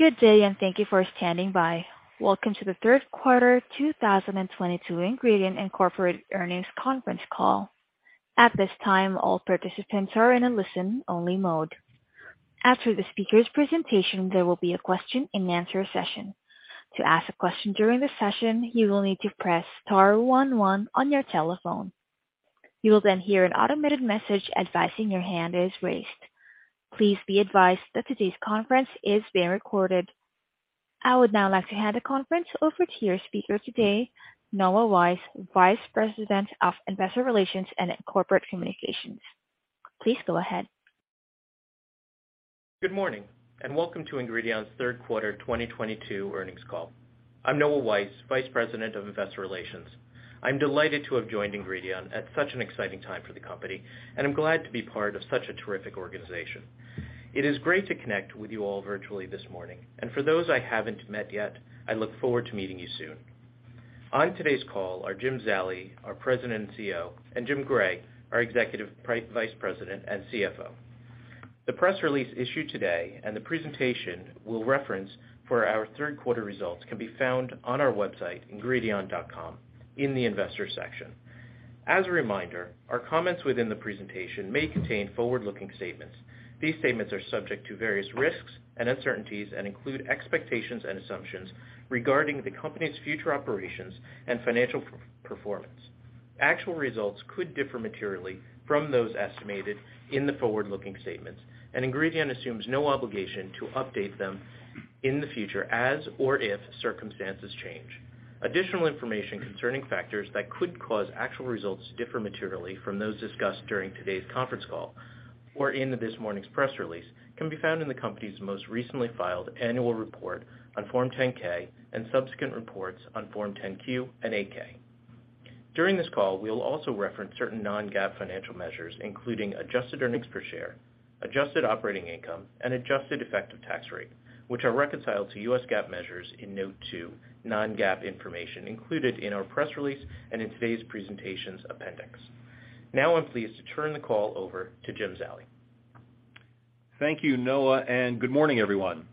Good day, and thank you for standing by. Welcome to the third quarter 2022 Ingredion Incorporated Earnings Conference Call. At this time, all participants are in a listen-only mode. After the speakers' presentation, there will be a question-and-answer session. To ask a question during the session, you will need to press star one one on your telephone. You will then hear an automated message advising your hand is raised. Please be advised that today's conference is being recorded. I would now like to hand the conference over to your speaker today, Noah Weiss, Vice President of Investor Relations and Corporate Communications. Please go ahead. Good morning, and welcome to Ingredion's third quarter 2022 earnings call. I'm Noah Weiss, Vice President of Investor Relations. I'm delighted to have joined Ingredion at such an exciting time for the company, and I'm glad to be part of such a terrific organization. It is great to connect with you all virtually this morning, and for those I haven't met yet, I look forward to meeting you soon. On today's call are James Zallie, our President and CEO, and Jim Gray, our Executive Vice President and CFO. The press release issued today and the presentation we'll reference for our third quarter results can be found on our website, ingredion.com, in the Investors section. As a reminder, our comments within the presentation may contain forward-looking statements. These statements are subject to various risks and uncertainties and include expectations and assumptions regarding the company's future operations and financial performance. Actual results could differ materially from those estimated in the forward-looking statements, and Ingredion assumes no obligation to update them in the future as or if circumstances change. Additional information concerning factors that could cause actual results to differ materially from those discussed during today's conference call or in this morning's press release can be found in the company's most recently filed annual report on Form 10-K and subsequent reports on Form 10-Q and 8-K. During this call, we will also reference certain non-GAAP financial measures, including adjusted earnings per share, adjusted operating income, and adjusted effective tax rate, which are reconciled to US GAAP measures in note two, non-GAAP information included in our press release and in today's presentations appendix. Now I'm pleased to turn the call over to Jim Zallie. Thank you, Noah, and good morning, everyone.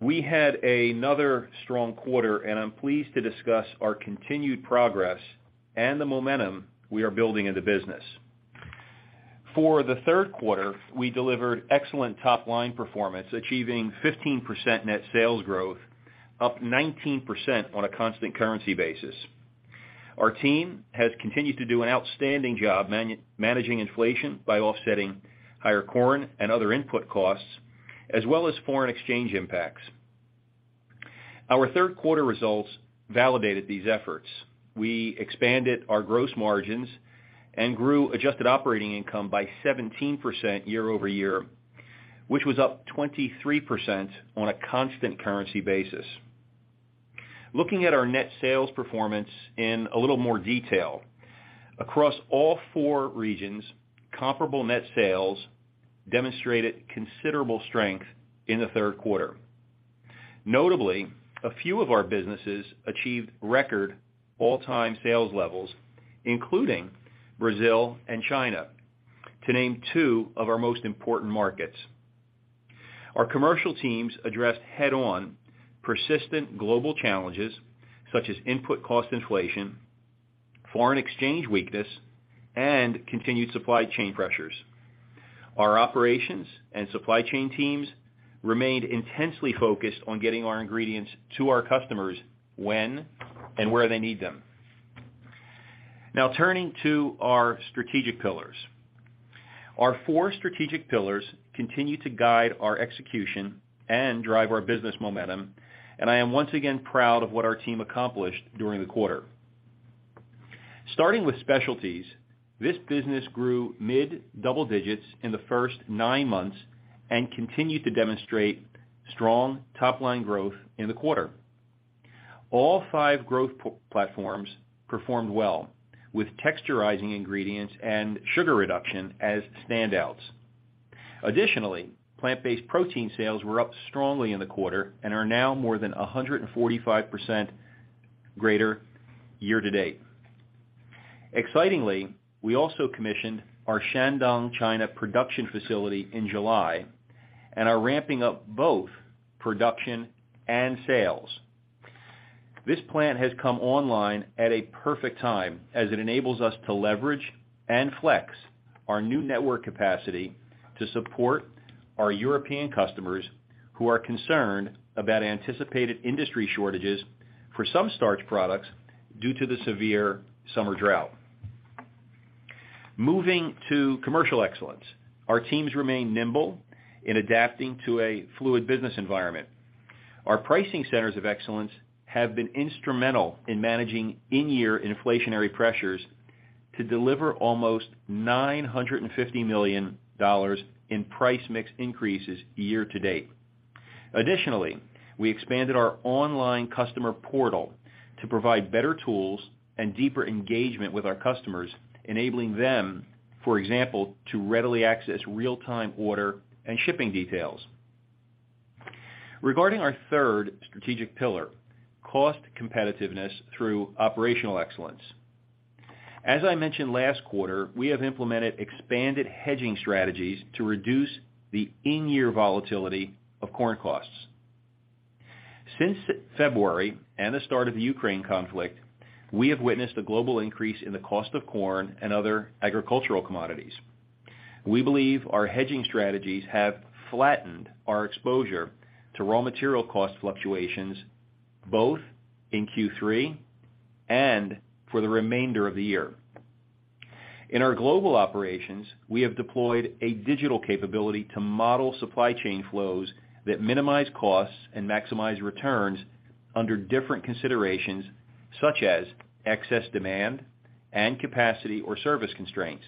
We had another strong quarter, and I'm pleased to discuss our continued progress and the momentum we are building in the business. For the third quarter, we delivered excellent top-line performance, achieving 15% net sales growth, up 19% on a constant currency basis. Our team has continued to do an outstanding job managing inflation by offsetting higher corn and other input costs as well as foreign exchange impacts. Our third quarter results validated these efforts. We expanded our gross margins and grew adjusted operating income by 17% year-over-year, which was up 23% on a constant currency basis. Looking at our net sales performance in a little more detail. Across all four regions, comparable net sales demonstrated considerable strength in the third quarter. Notably, a few of our businesses achieved record all-time sales levels, including Brazil and China, to name two of our most important markets. Our commercial teams addressed head-on persistent global challenges such as input cost inflation, foreign exchange weakness, and continued supply chain pressures. Our operations and supply chain teams remained intensely focused on getting our ingredients to our customers when and where they need them. Now turning to our strategic pillars. Our four strategic pillars continue to guide our execution and drive our business momentum, and I am once again proud of what our team accomplished during the quarter. Starting with specialties, this business grew mid-double digits in the first nine months and continued to demonstrate strong top-line growth in the quarter. All five growth platforms performed well with texturizing ingredients and sugar reduction as standouts. Additionally, plant-based protein sales were up strongly in the quarter and are now more than 145% greater year to date. Excitingly, we also commissioned our Shandong, China, production facility in July and are ramping up both production and sales. This plant has come online at a perfect time as it enables us to leverage and flex our new network capacity to support our European customers who are concerned about anticipated industry shortages for some starch products due to the severe summer drought. Moving to commercial excellence. Our teams remain nimble in adapting to a fluid business environment. Our pricing centers of excellence have been instrumental in managing in-year inflationary pressures to deliver almost $950 million in price mix increases year to date. Additionally, we expanded our online customer portal to provide better tools and deeper engagement with our customers, enabling them, for example, to readily access real-time order and shipping details. Regarding our third strategic pillar, cost competitiveness through operational excellence. As I mentioned last quarter, we have implemented expanded hedging strategies to reduce the in-year volatility of corn costs. Since February and the start of the Ukraine conflict, we have witnessed a global increase in the cost of corn and other agricultural commodities. We believe our hedging strategies have flattened our exposure to raw material cost fluctuations both in Q3 and for the remainder of the year. In our global operations, we have deployed a digital capability to model supply chain flows that minimize costs and maximize returns under different considerations such as excess demand and capacity or service constraints.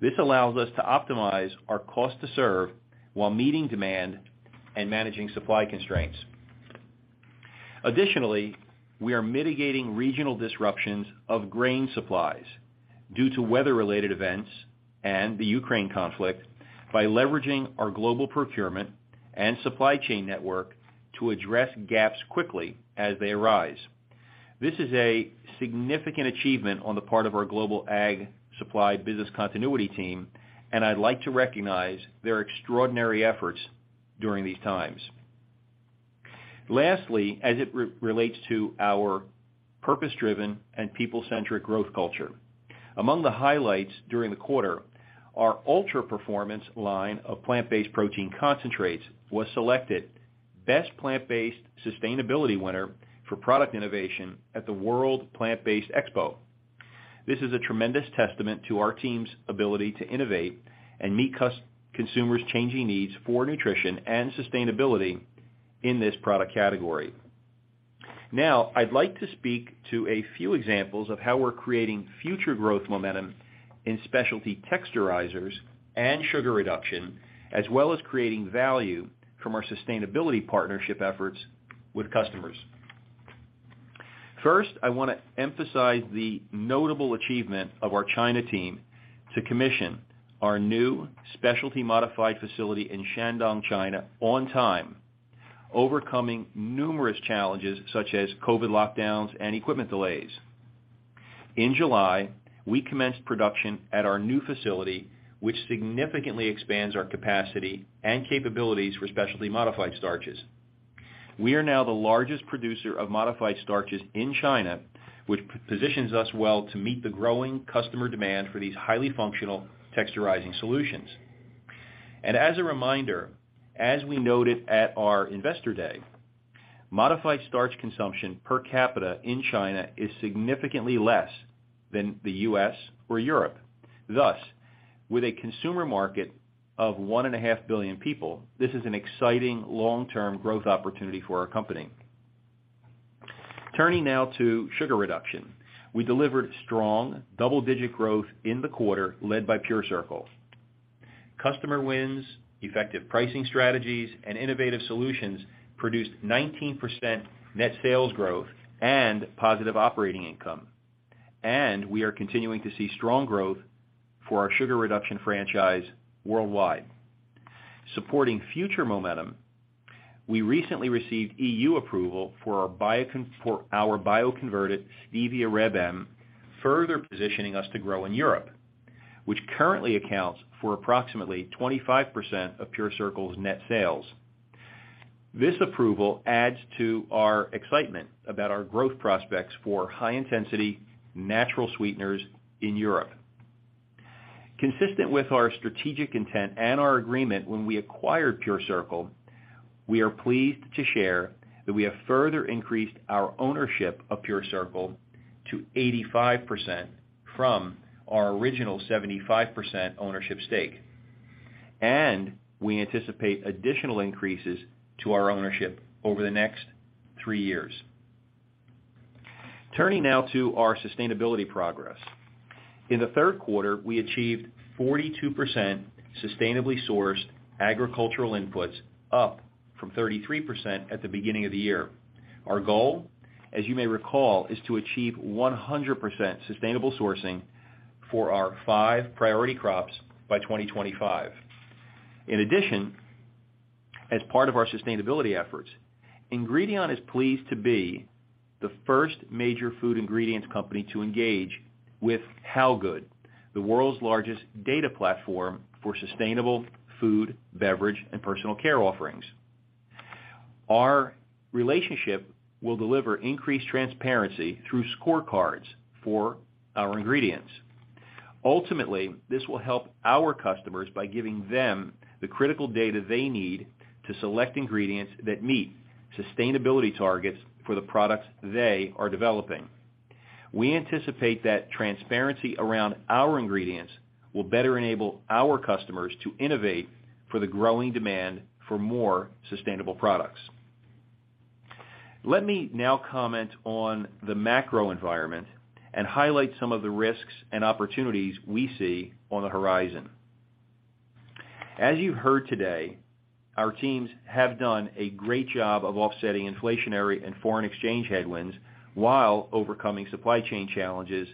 This allows us to optimize our cost to serve while meeting demand and managing supply constraints. Additionally, we are mitigating regional disruptions of grain supplies due to weather-related events and the Ukraine conflict by leveraging our global procurement and supply chain network to address gaps quickly as they arise. This is a significant achievement on the part of our global ag supply business continuity team, and I'd like to recognize their extraordinary efforts during these times. Lastly, as it relates to our purpose-driven and people-centric growth culture. Among the highlights during the quarter, our ultra performance line of plant-based protein concentrates was selected Best Plant-Based Sustainability Winner for Product Innovation at the Plant Based World Expo. This is a tremendous testament to our team's ability to innovate and meet consumers' changing needs for nutrition and sustainability in this product category. Now, I'd like to speak to a few examples of how we're creating future growth momentum in specialty texturizers and sugar reduction, as well as creating value from our sustainability partnership efforts with customers. First, I wanna emphasize the notable achievement of our China team to commission our new specialty modified facility in Shandong, China on time, overcoming numerous challenges such as COVID lockdowns and equipment delays. In July, we commenced production at our new facility, which significantly expands our capacity and capabilities for specialty modified starches. We are now the largest producer of modified starches in China, which positions us well to meet the growing customer demand for these highly functional texturizing solutions. As a reminder, as we noted at our Investor Day, modified starch consumption per capita in China is significantly less than the U.S. or Europe. Thus, with a consumer market of 1.5 billion people, this is an exciting long-term growth opportunity for our company. Turning now to sugar reduction. We delivered strong double-digit growth in the quarter led by PureCircle. Customer wins, effective pricing strategies, and innovative solutions produced 19% net sales growth and positive operating income. We are continuing to see strong growth for our sugar reduction franchise worldwide. Supporting future momentum, we recently received EU approval for our bioconverted stevia Reb M, further positioning us to grow in Europe, which currently accounts for approximately 25% of PureCircle's net sales. This approval adds to our excitement about our growth prospects for high-intensity natural sweeteners in Europe. Consistent with our strategic intent and our agreement when we acquired PureCircle, we are pleased to share that we have further increased our ownership of PureCircle to 85% from our original 75% ownership stake, and we anticipate additional increases to our ownership over the next 3 years. Turning now to our sustainability progress. In the third quarter, we achieved 42% sustainably sourced agricultural inputs, up from 33% at the beginning of the year. Our goal, as you may recall, is to achieve 100% sustainable sourcing for our 5 priority crops by 2025. In addition, as part of our sustainability efforts, Ingredion is pleased to be the first major food ingredients company to engage with HowGood, the world's largest data platform for sustainable food, beverage, and personal care offerings. Our relationship will deliver increased transparency through scorecards for our ingredients. Ultimately, this will help our customers by giving them the critical data they need to select ingredients that meet sustainability targets for the products they are developing. We anticipate that transparency around our ingredients will better enable our customers to innovate for the growing demand for more sustainable products. Let me now comment on the macro environment and highlight some of the risks and opportunities we see on the horizon. As you've heard today, our teams have done a great job of offsetting inflationary and foreign exchange headwinds while overcoming supply chain challenges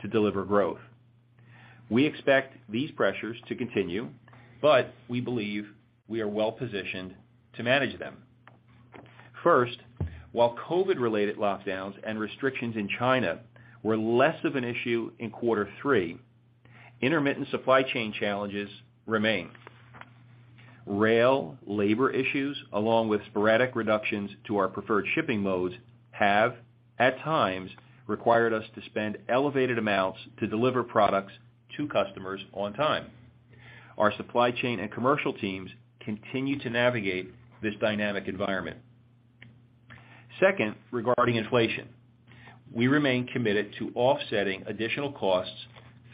to deliver growth. We expect these pressures to continue, but we believe we are well positioned to manage them. First, while COVID related lockdowns and restrictions in China were less of an issue in quarter three, intermittent supply chain challenges remain. Rail labor issues, along with sporadic reductions to our preferred shipping modes, have at times required us to spend elevated amounts to deliver products to customers on time. Our supply chain and commercial teams continue to navigate this dynamic environment. Second, regarding inflation, we remain committed to offsetting additional costs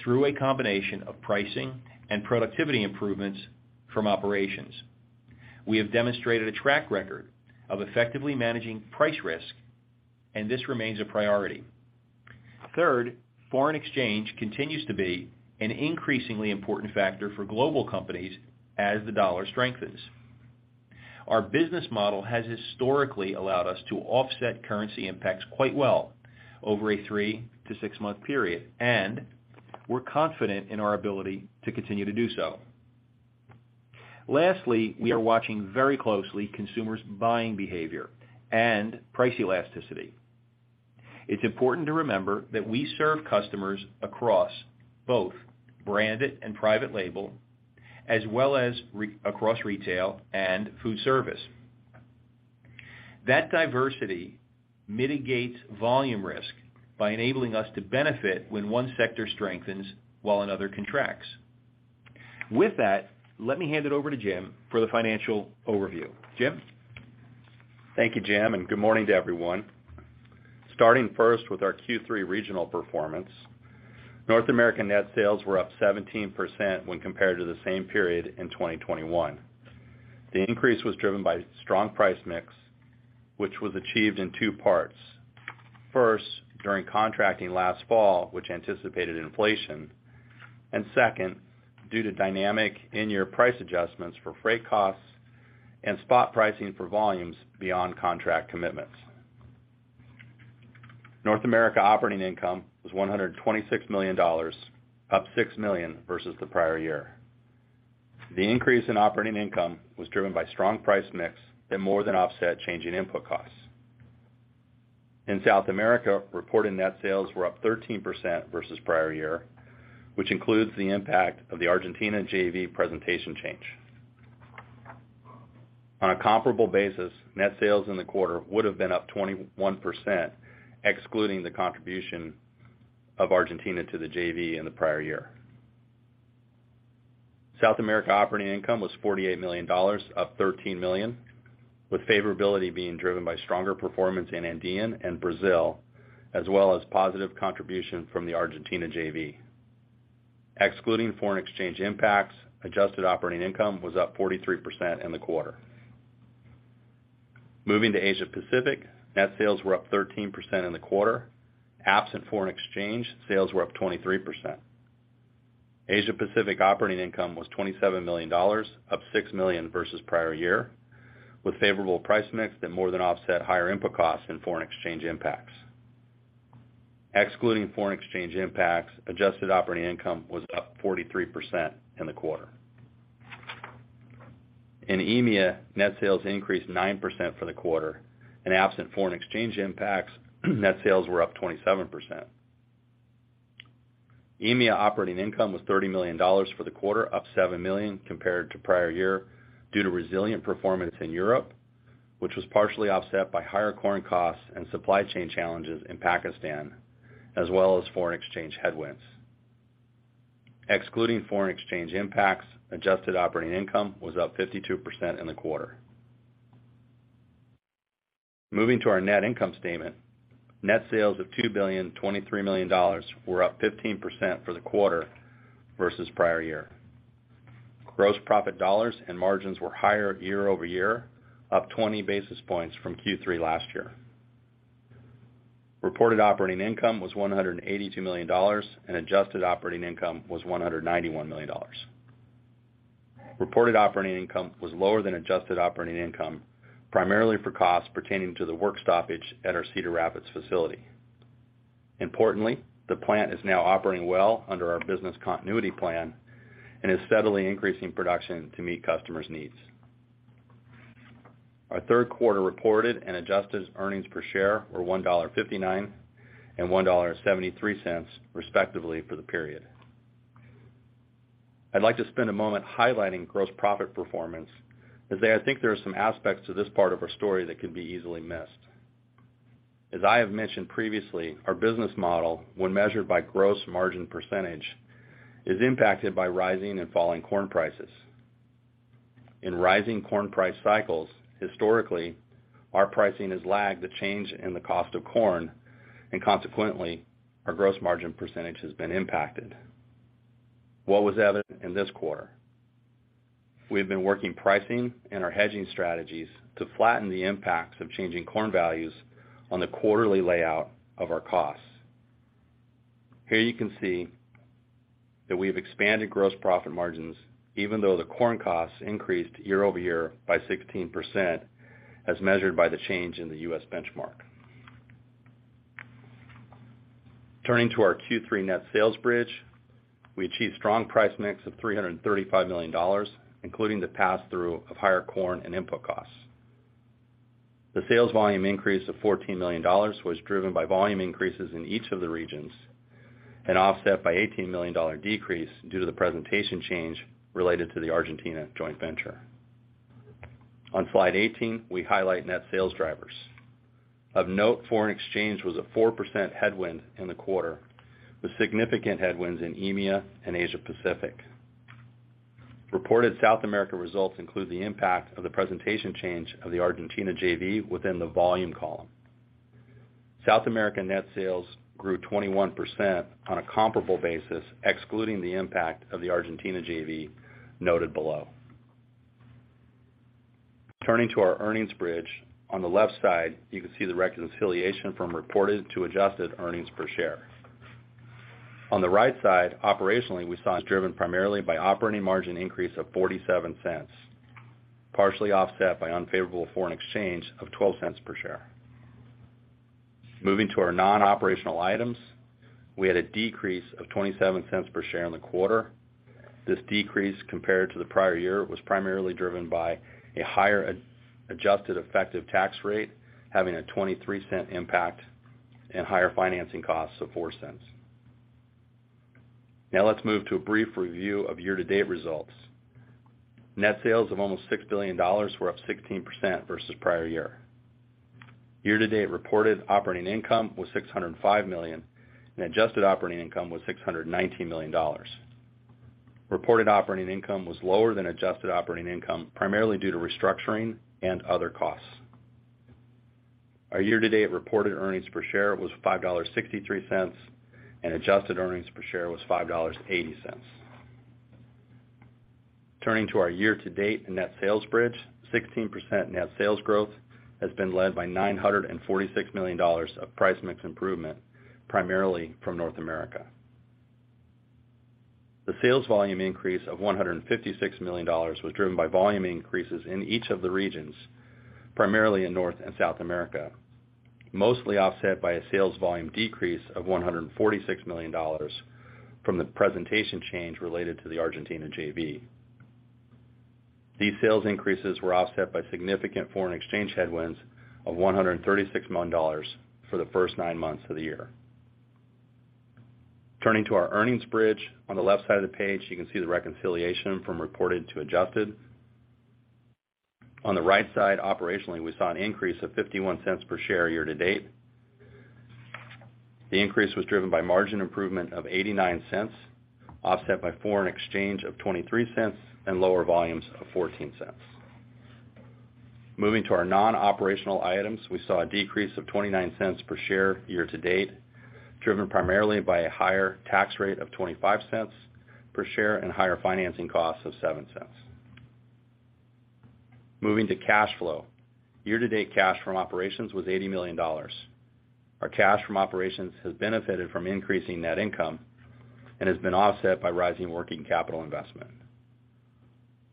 through a combination of pricing and productivity improvements from operations. We have demonstrated a track record of effectively managing price risk, and this remains a priority. Third, foreign exchange continues to be an increasingly important factor for global companies as the dollar strengthens. Our business model has historically allowed us to offset currency impacts quite well over a 3-6 month period, and we're confident in our ability to continue to do so. Lastly, we are watching very closely consumers' buying behavior and price elasticity. It's important to remember that we serve customers across both branded and private label as well as across retail and food service. That diversity mitigates volume risk by enabling us to benefit when one sector strengthens while another contracts. With that, let me hand it over to Jim for the financial overview. Jim? Thank you, Jim, and good morning to everyone. Starting first with our Q3 regional performance. North American net sales were up 17% when compared to the same period in 2021. The increase was driven by strong price mix, which was achieved in two parts. First, during contracting last fall, which anticipated inflation, and second, due to dynamic in-year price adjustments for freight costs and spot pricing for volumes beyond contract commitments. North America operating income was $126 million, up $6 million versus the prior year. The increase in operating income was driven by strong price mix that more than offset changing input costs. In South America, reported net sales were up 13% versus prior year, which includes the impact of the Argentina JV presentation change. On a comparable basis, net sales in the quarter would have been up 21%, excluding the contribution of Argentina to the JV in the prior year. South America operating income was $48 million, up $13 million, with favorability being driven by stronger performance in Andean and Brazil, as well as positive contribution from the Argentina JV. Excluding foreign exchange impacts, adjusted operating income was up 43% in the quarter. Moving to Asia Pacific, net sales were up 13% in the quarter. Absent foreign exchange, sales were up 23%. Asia Pacific operating income was $27 million, up $6 million versus prior year, with favorable price mix that more than offset higher input costs and foreign exchange impacts. Excluding foreign exchange impacts, adjusted operating income was up 43% in the quarter. In EMEA, net sales increased 9% for the quarter. Absent foreign exchange impacts, net sales were up 27%. EMEA operating income was $30 million for the quarter, up $7 million compared to prior year due to resilient performance in Europe, which was partially offset by higher corn costs and supply chain challenges in Pakistan, as well as foreign exchange headwinds. Excluding foreign exchange impacts, adjusted operating income was up 52% in the quarter. Moving to our net income statement. Net sales of $2.023 billion were up 15% for the quarter versus prior year. Gross profit dollars and margins were higher year-over-year, up 20 basis points from Q3 last year. Reported operating income was $182 million, and adjusted operating income was $191 million. Reported operating income was lower than adjusted operating income, primarily for costs pertaining to the work stoppage at our Cedar Rapids facility. Importantly, the plant is now operating well under our business continuity plan and is steadily increasing production to meet customers' needs. Our third quarter reported and adjusted earnings per share were $1.59 and $1.73, respectively, for the period. I'd like to spend a moment highlighting gross profit performance, as I think there are some aspects to this part of our story that could be easily missed. As I have mentioned previously, our business model, when measured by gross margin percentage, is impacted by rising and falling corn prices. In rising corn price cycles, historically, our pricing has lagged the change in the cost of corn, and consequently, our gross margin percentage has been impacted. What was evident in this quarter? We have been working pricing and our hedging strategies to flatten the impacts of changing corn values on the quarterly layout of our costs. Here you can see that we have expanded gross profit margins even though the corn costs increased year-over-year by 16% as measured by the change in the U.S. benchmark. Turning to our Q3 net sales bridge. We achieved strong price mix of $335 million, including the pass-through of higher corn and input costs. The sales volume increase of $14 million was driven by volume increases in each of the regions and offset by $18 million decrease due to the presentation change related to the Argentina joint venture. On slide 18, we highlight net sales drivers. Of note, foreign exchange was a 4% headwind in the quarter, with significant headwinds in EMEA and Asia Pacific. Reported South America results include the impact of the presentation change of the Argentina JV within the volume column. South America net sales grew 21% on a comparable basis, excluding the impact of the Argentina JV noted below. Turning to our earnings bridge, on the left side, you can see the reconciliation from reported to adjusted earnings per share. On the right side, operationally, we saw driven primarily by operating margin increase of $0.47, partially offset by unfavorable foreign exchange of $0.12 per share. Moving to our non-operational items, we had a decrease of $0.27 per share in the quarter. This decrease compared to the prior year, was primarily driven by a higher adjusted effective tax rate, having a $0.23 impact and higher financing costs of $0.04. Now let's move to a brief review of year-to-date results. Net sales of almost $6 billion were up 16% versus prior year. Year-to-date reported operating income was $605 million, and adjusted operating income was $619 million. Reported operating income was lower than adjusted operating income, primarily due to restructuring and other costs. Our year-to-date reported earnings per share was $5.63, and adjusted earnings per share was $5.80. Turning to our year-to-date net sales bridge, 16% net sales growth has been led by $946 million of price mix improvement, primarily from North America. The sales volume increase of $156 million was driven by volume increases in each of the regions, primarily in North and South America, mostly offset by a sales volume decrease of $146 million from the presentation change related to the Argentina JV. These sales increases were offset by significant foreign exchange headwinds of $136 million for the first 9 months of the year. Turning to our earnings bridge. On the left side of the page, you can see the reconciliation from reported to adjusted. On the right side, operationally, we saw an increase of $0.51 per share year to date. The increase was driven by margin improvement of $0.89, offset by foreign exchange of $0.23, and lower volumes of $0.14. Moving to our non-operational items, we saw a decrease of $0.29 per share year to date, driven primarily by a higher tax rate of $0.25 per share and higher financing costs of $0.07. Moving to cash flow. Year to date cash from operations was $80 million. Our cash from operations has benefited from increasing net income and has been offset by rising working capital investment.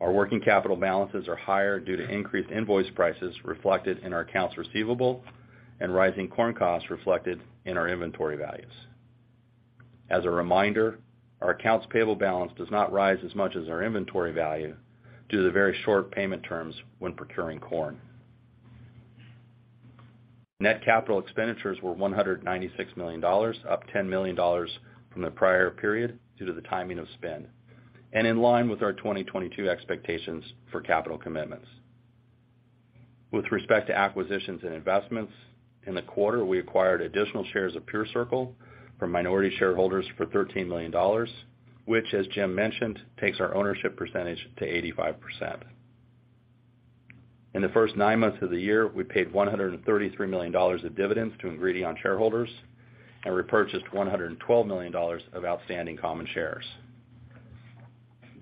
Our working capital balances are higher due to increased invoice prices reflected in our accounts receivable and rising corn costs reflected in our inventory values. As a reminder, our accounts payable balance does not rise as much as our inventory value due to the very short payment terms when procuring corn. Net capital expenditures were $196 million, up $10 million from the prior period due to the timing of spend and in line with our 2022 expectations for capital commitments. With respect to acquisitions and investments, in the quarter, we acquired additional shares of PureCircle from minority shareholders for $13 million, which, as James mentioned, takes our ownership percentage to 85%. In the first nine months of the year, we paid $133 million of dividends to Ingredion shareholders and repurchased $112 million of outstanding common shares.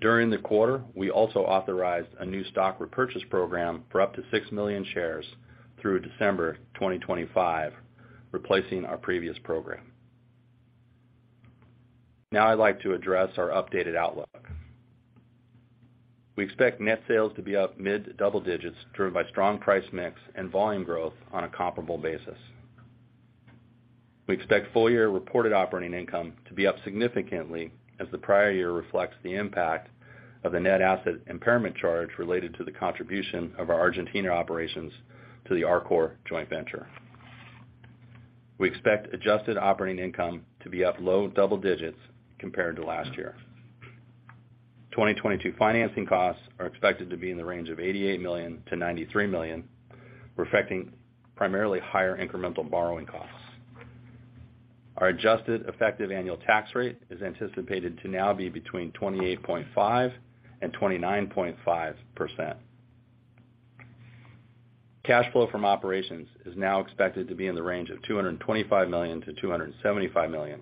During the quarter, we also authorized a new stock repurchase program for up to 6 million shares through December 2025, replacing our previous program. Now I'd like to address our updated outlook. We expect net sales to be up mid to double digits, driven by strong price mix and volume growth on a comparable basis. We expect full year reported operating income to be up significantly as the prior year reflects the impact of the net asset impairment charge related to the contribution of our Argentina operations to the Arcor joint venture. We expect adjusted operating income to be up low double digits compared to last year. 2022 financing costs are expected to be in the range of $88 million-$93 million, reflecting primarily higher incremental borrowing costs. Our adjusted effective annual tax rate is anticipated to now be between 28.5% and 29.5%. Cash flow from operations is now expected to be in the range of $225 million-$275 million,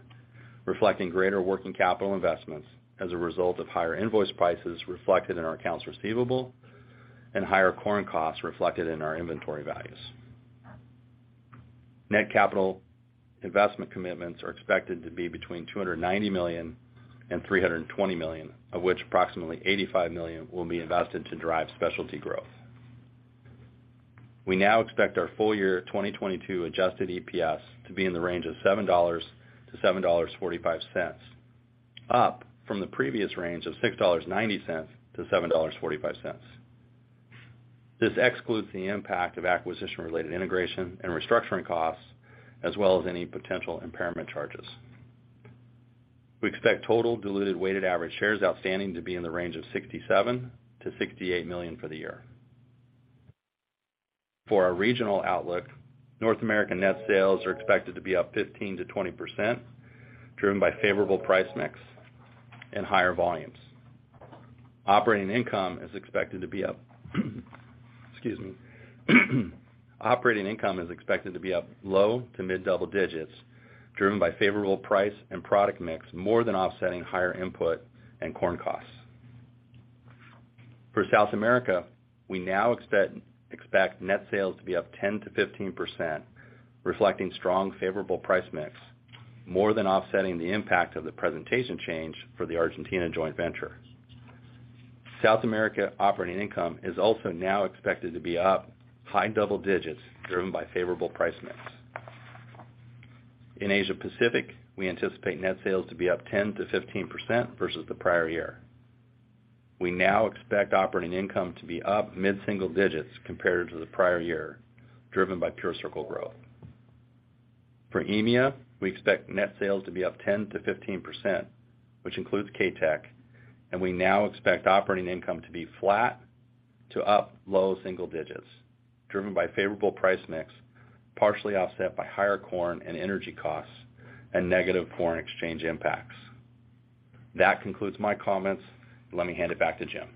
reflecting greater working capital investments as a result of higher invoice prices reflected in our accounts receivable and higher corn costs reflected in our inventory values. Net capital investment commitments are expected to be between $290 million and $320 million, of which approximately $85 million will be invested to drive specialty growth. We now expect our full year 2022 adjusted EPS to be in the range of $7-$7.45, up from the previous range of $6.90-$7.45. This excludes the impact of acquisition-related integration and restructuring costs as well as any potential impairment charges. We expect total diluted weighted average shares outstanding to be in the range of 67 million-68 million for the year. For our regional outlook, North American net sales are expected to be up 15%-20%, driven by favorable price mix and higher volumes. Operating income is expected to be up low to mid-double digits, driven by favorable price and product mix more than offsetting higher input and corn costs. For South America, we now expect net sales to be up 10%-15%, reflecting strong favorable price mix, more than offsetting the impact of the presentation change for the Argentina joint venture. South America operating income is also now expected to be up high double digits, driven by favorable price mix. In Asia Pacific, we anticipate net sales to be up 10%-15% versus the prior year. We now expect operating income to be up mid-single digits compared to the prior year, driven by PureCircle growth. For EMEA, we expect net sales to be up 10%-15%, which includes KaTech, and we now expect operating income to be flat to up low single digits, driven by favorable price mix, partially offset by higher corn and energy costs and negative foreign exchange impacts. That concludes my comments. Let me hand it back to James.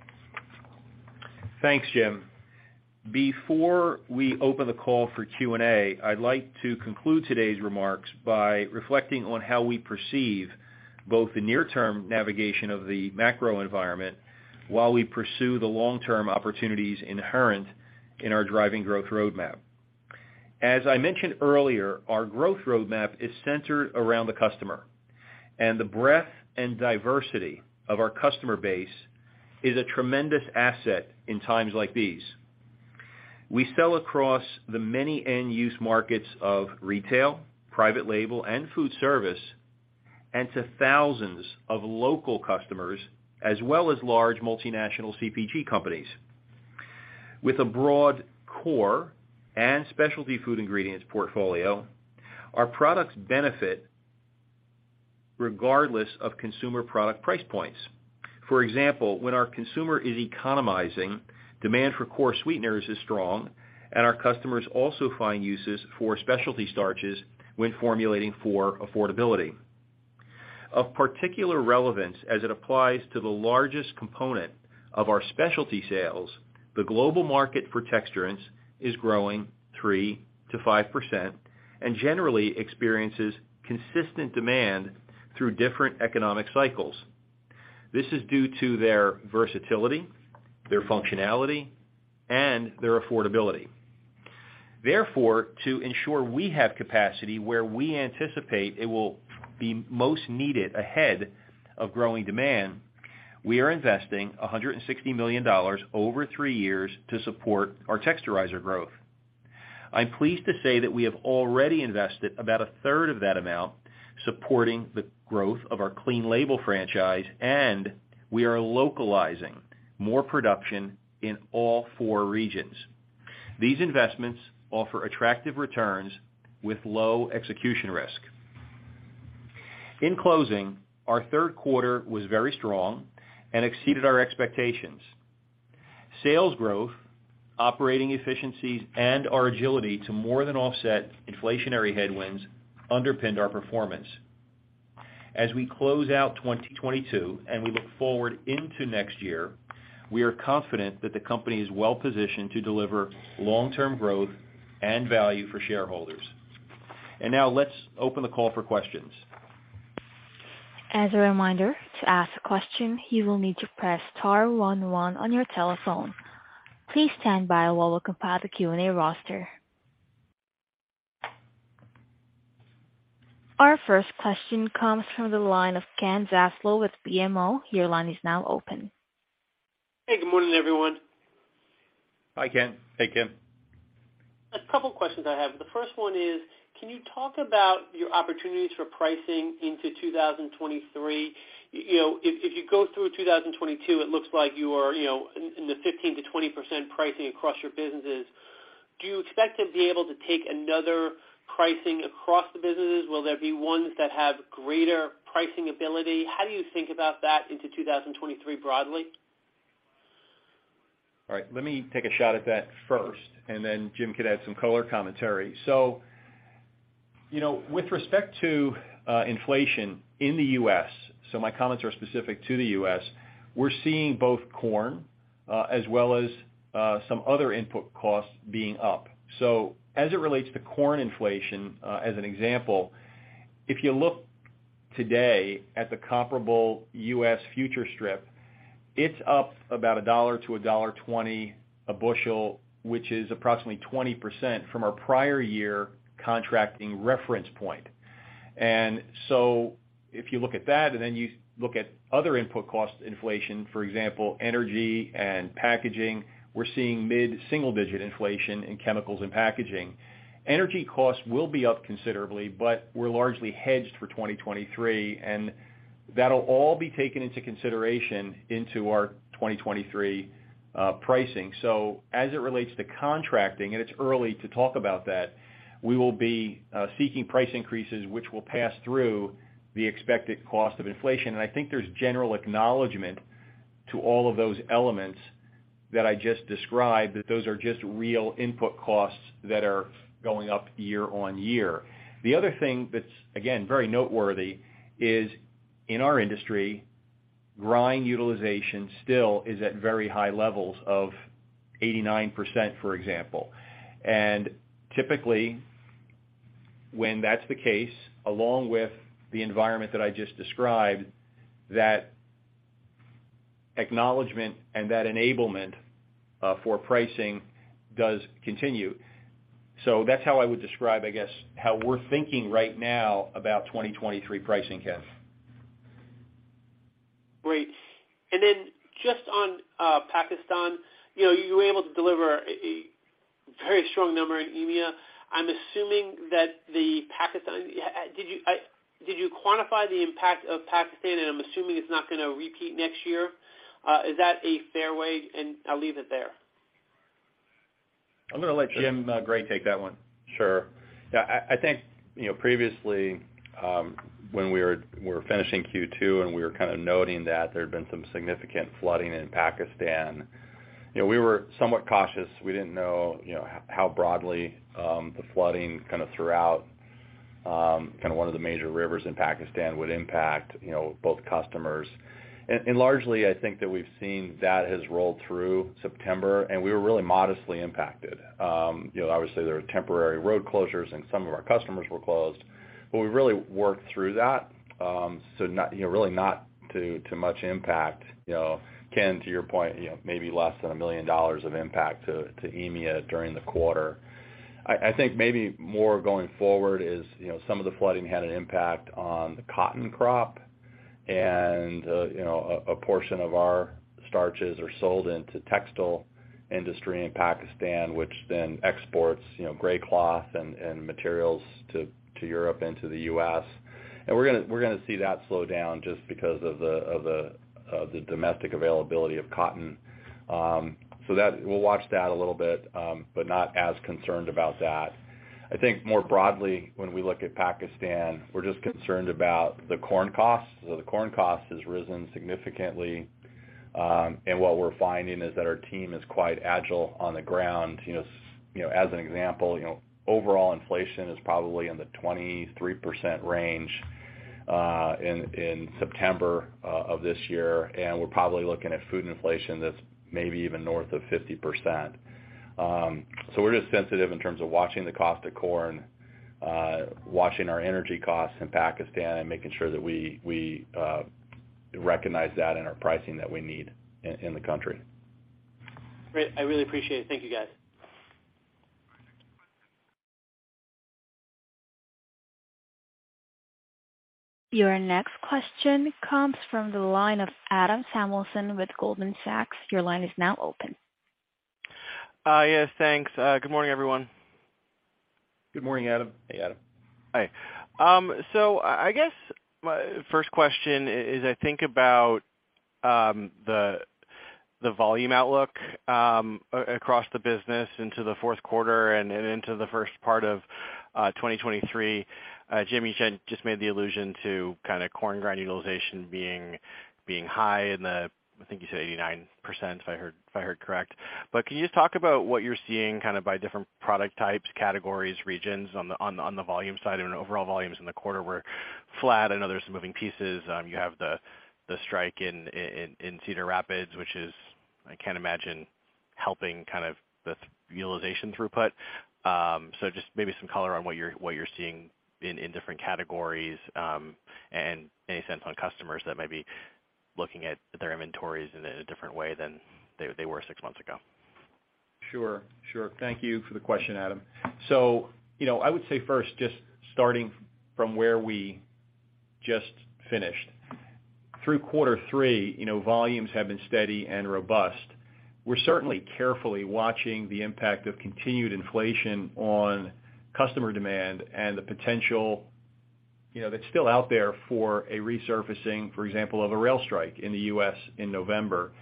Thanks, Jim. Before we open the call for Q&A, I'd like to conclude today's remarks by reflecting on how we perceive both the near-term navigation of the macro environment while we pursue the long-term opportunities inherent in our driving growth roadmap. As I mentioned earlier, our growth roadmap is centered around the customer, and the breadth and diversity of our customer base is a tremendous asset in times like these. We sell across the many end-use markets of retail, private label and food service, and to thousands of local customers as well as large multinational CPG companies. With a broad core and specialty food ingredients portfolio, our products benefit regardless of consumer product price points. For example, when our consumer is economizing, demand for core sweeteners is strong and our customers also find uses for specialty starches when formulating for affordability. Of particular relevance as it applies to the largest component of our specialty sales, the global market for texturants is growing 3%-5% and generally experiences consistent demand through different economic cycles. This is due to their versatility, their functionality and their affordability. Therefore, to ensure we have capacity where we anticipate it will be most needed ahead of growing demand, we are investing $160 million over three years to support our texturizer growth. I'm pleased to say that we have already invested about a third of that amount supporting the growth of our clean label franchise, and we are localizing more production in all four regions. These investments offer attractive returns with low execution risk. In closing, our third quarter was very strong and exceeded our expectations. Sales growth, operating efficiencies and our agility to more than offset inflationary headwinds underpinned our performance. As we close out 2022 and we look forward into next year, we are confident that the company is well positioned to deliver long-term growth and value for shareholders. Now let's open the call for questions. As a reminder, to ask a question, you will need to press star one one on your telephone. Please stand by while we compile the Q&A roster. Our first question comes from the line of Ken Zaslow with BMO. Your line is now open. Hey, good morning, everyone. Hi, Ken. Hey, Ken. A couple questions I have. The first one is, can you talk about your opportunities for pricing into 2023? You know, if you go through 2022, it looks like you are, you know, in the 15%-20% pricing across your businesses. Do you expect to be able to take another pricing across the businesses? Will there be ones that have greater pricing ability? How do you think about that into 2023 broadly? All right, let me take a shot at that first, and then Jim could add some color commentary. You know, with respect to inflation in the US, my comments are specific to the US. We're seeing both corn as well as some other input costs being up. As it relates to corn inflation, as an example, if you look today at the comparable US futures strip, it's up about $1-$1.20 a bushel, which is approximately 20% from our prior year contracting reference point. And so if you look at that, and then you look at other input cost inflation, for example, energy and packaging, we're seeing mid-single-digit inflation in chemicals and packaging. Energy costs will be up considerably, but we're largely hedged for 2023, and that'll all be taken into consideration into our 2023 pricing. As it relates to contracting, and it's early to talk about that, we will be seeking price increases, which will pass through the expected cost of inflation. I think there's general acknowledgment to all of those elements that I just described, that those are just real input costs that are going up year on year. The other thing that's, again, very noteworthy is in our industry, grind utilization still is at very high levels of 89%, for example. Typically, when that's the case, along with the environment that I just described, that acknowledgment and that enablement for pricing does continue. That's how I would describe, I guess, how we're thinking right now about 2023 pricing, Ken. Great. Then just on Pakistan, you know, you were able to deliver a very strong number in EMEA. I'm assuming that the Pakistan. Did you quantify the impact of Pakistan? I'm assuming it's not gonna repeat next year. Is that a fair way? I'll leave it there. I'm gonna let Jim Gray take that one. Sure. Yeah, I think, you know, previously, when we were finishing Q2, and we were kind of noting that there had been some significant flooding in Pakistan, you know, we were somewhat cautious. We didn't know, you know, how broadly the flooding throughout one of the major rivers in Pakistan would impact, you know, both customers. Largely, I think that we've seen that has rolled through September, and we were really modestly impacted. You know, obviously there were temporary road closures and some of our customers were closed, but we really worked through that. So not, you know, really not too much impact. You know, Ken, to your point, you know, maybe less than $1 million of impact to EMEA during the quarter. I think maybe more going forward is, you know, some of the flooding had an impact on the cotton crop and, you know, a portion of our starches are sold into textile industry in Pakistan, which then exports, you know, gray cloth and materials to Europe and to the US. We're gonna see that slow down just because of the domestic availability of cotton. That we'll watch that a little bit, but not as concerned about that. I think more broadly, when we look at Pakistan, we're just concerned about the corn costs. The corn cost has risen significantly, and what we're finding is that our team is quite agile on the ground. You know, as an example, you know, overall inflation is probably in the 23% range, in September of this year, and we're probably looking at food inflation that's maybe even north of 50%. We're just sensitive in terms of watching the cost of corn, watching our energy costs in Pakistan, and making sure that we recognize that in our pricing that we need in the country. Great. I really appreciate it. Thank you, guys. Your next question comes from the line of Adam Samuelson with Goldman Sachs. Your line is now open. Yes, thanks. Good morning, everyone. Good morning, Adam. Hey, Adam. Hi. I guess my first question is I think about the volume outlook across the business into the fourth quarter and into the first part of 2023. Jim, you just made the allusion to kind of corn grind utilization being high, I think you said 89%, if I heard correct. But can you just talk about what you're seeing kind of by different product types, categories, regions on the volume side? I know overall volumes in the quarter were flat. I know there's some moving pieces. You have the strike in Cedar Rapids, which I can't imagine helping kind of the utilization throughput. Just maybe some color on what you're seeing in different categories, and any sense on customers that may be looking at their inventories in a different way than they were six months ago. Sure. Thank you for the question, Adam. You know, I would say first, just starting from where we just finished. Through quarter three, you know, volumes have been steady and robust. We're certainly carefully watching the impact of continued inflation on customer demand and the potential, you know, that's still out there for a resurfacing, for example, of a rail strike in the U.S. in November.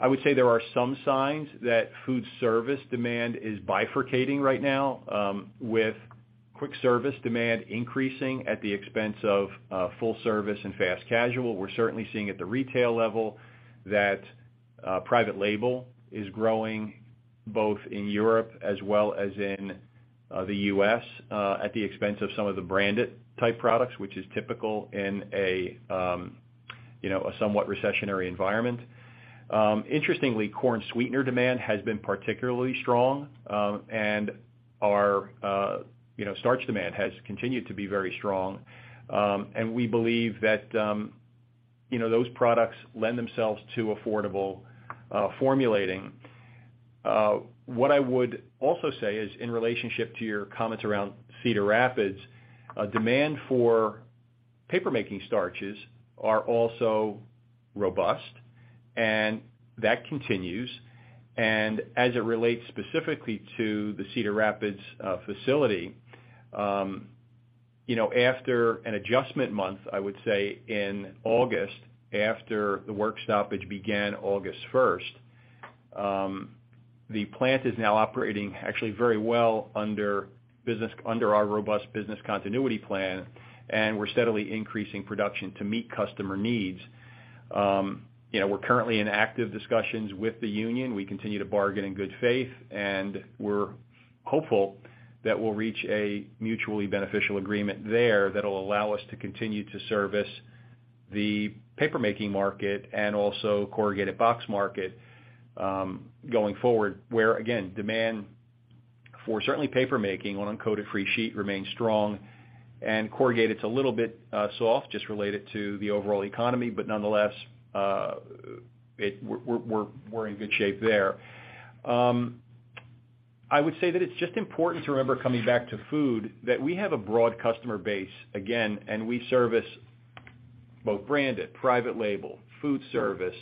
I would say there are some signs that food service demand is bifurcating right now, with quick service demand increasing at the expense of full service and fast casual. We're certainly seeing at the retail level that private label is growing both in Europe as well as in the U.S., at the expense of some of the branded-type products, which is typical in a you know, a somewhat recessionary environment. Interestingly, corn sweetener demand has been particularly strong, and our, you know, starch demand has continued to be very strong. We believe that, you know, those products lend themselves to affordable, formulating. What I would also say is in relationship to your comments around Cedar Rapids, demand for papermaking starches are also robust, and that continues. As it relates specifically to the Cedar Rapids facility, you know, after an adjustment month, I would say in August after the work stoppage began August first, the plant is now operating actually very well under our robust business continuity plan, and we're steadily increasing production to meet customer needs. You know, we're currently in active discussions with the union. We continue to bargain in good faith, and we're hopeful that we'll reach a mutually beneficial agreement there that'll allow us to continue to service the papermaking market and also corrugated box market, going forward. Where again, demand for certainly papermaking on uncoated free sheet remains strong and corrugated's a little bit, soft just related to the overall economy. Nonetheless, we're in good shape there. I would say that it's just important to remember coming back to food, that we have a broad customer baseagain, and we service both branded, private label, food service,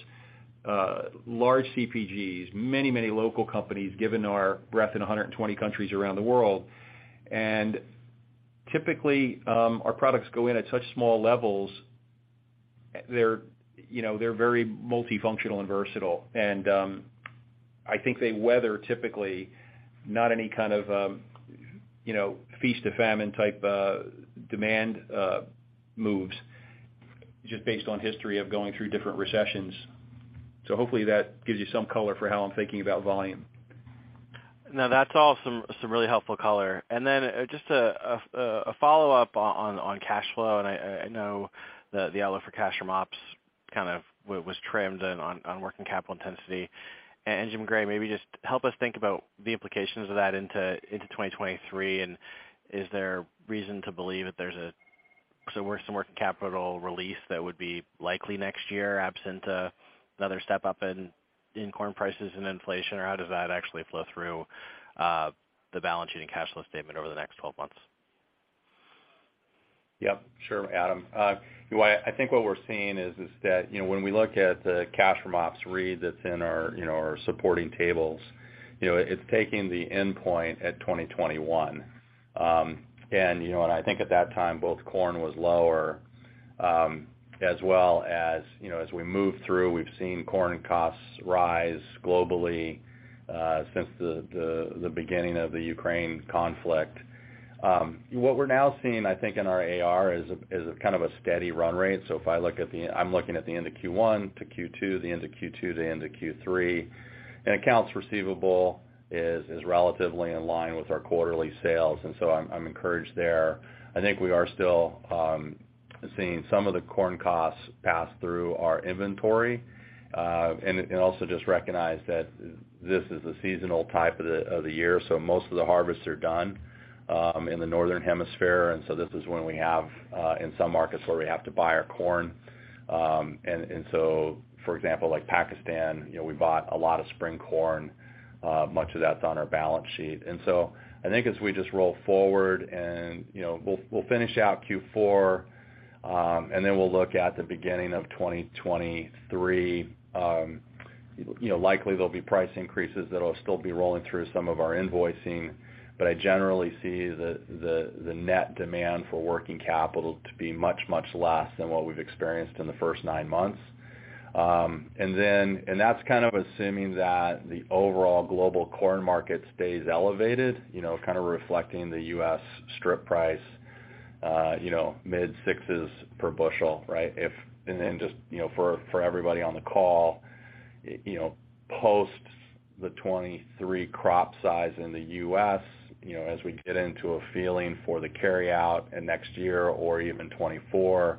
large CPGs, many local companies given our breadth in 120 countries around the world. Typically, our products go in at such small levels. They're, you know, very multifunctional and versatile. I think they weather typically not any kind of, you know, feast or famine type demand moves just based on history of going through different recessions. Hopefully that gives you some color for how I'm thinking about volume. No, that's awesome, some really helpful color. Then, just a follow-up on cash flow. I know that the outlook for cash from ops kind of was trimmed on working capital intensity. Jim Gray, maybe just help us think about the implications of that into 2023. Is there reason to believe that there's some working capital release that would be likely next year, absent another step up in corn prices and inflation? Or how does that actually flow through the balance sheet and cash flow statement over the next 12 months? Yep. Sure, Adam. You know what? I think what we're seeing is that, you know, when we look at the cash from ops read that's in our, you know, our supporting tables, you know, it's taking the endpoint at 2021. You know, and I think at that time, both corn was lower, as well as, you know, as we moved through, we've seen corn costs rise globally, since the beginning of the Ukraine conflict. What we're now seeing, I think, in our AR is a kind of a steady run rate. If I look at, I'm looking at the end of Q1 to Q2, the end of Q2 to end of Q3, and accounts receivable is relatively in line with our quarterly sales, and so I'm encouraged there. I think we are still seeing some of the corn costs pass through our inventory. Also just recognize that this is a seasonal type of the year, so most of the harvests are done in the Northern Hemisphere. This is when we have in some markets where we have to buy our corn. For example, like Pakistan, you know, we bought a lot of spring corn, much of that's on our balance sheet. I think as we just roll forward and, you know, we'll finish out Q4, and then we'll look at the beginning of 2023. You know, likely there'll be price increases that'll still be rolling through some of our invoicing. I generally see the net demand for working capital to be much less than what we've experienced in the first nine months. That's kind of assuming that the overall global corn market stays elevated, you know, kind of reflecting the U.S. strip price, you know, mid-$6s per bushel, right? Just you know, for everybody on the call, you know, post the 2023 crop size in the U.S., you know, as we get into a feeling for the carryout and next year or even 2024,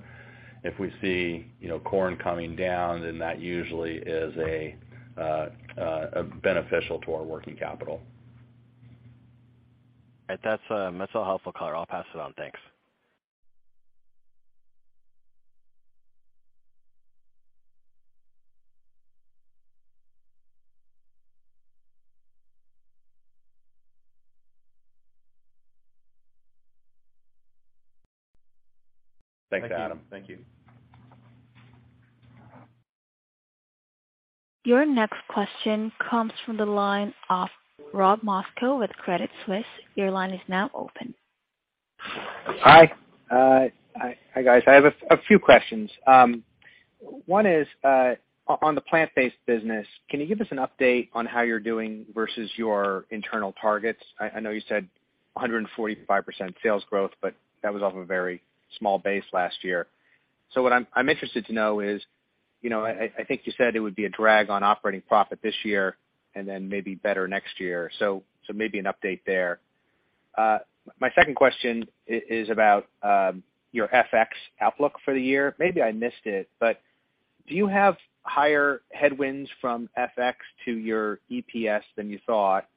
if we see, you know, corn coming down, then that usually is a benefit to our working capital. That's all helpful color. I'll pass it on. Thanks. Thanks, Adam. Thank you. Thank you. Your next question comes from the line of Robert Moskow with Credit Suisse. Your line is now open. Hi. Hi guys. I have a few questions. One is, on the plant-based business, can you give us an update on how you're doing versus your internal targets? I know you said 145% sales growth, but that was off a very small base last year. What I'm interested to know is, you know, I think you said it would be a drag on operating profit this year and then maybe better next year. So maybe an update there. My second question is about your FX outlook for the year. Maybe I missed it, but do you have higher headwinds from FX to your EPS than you thought?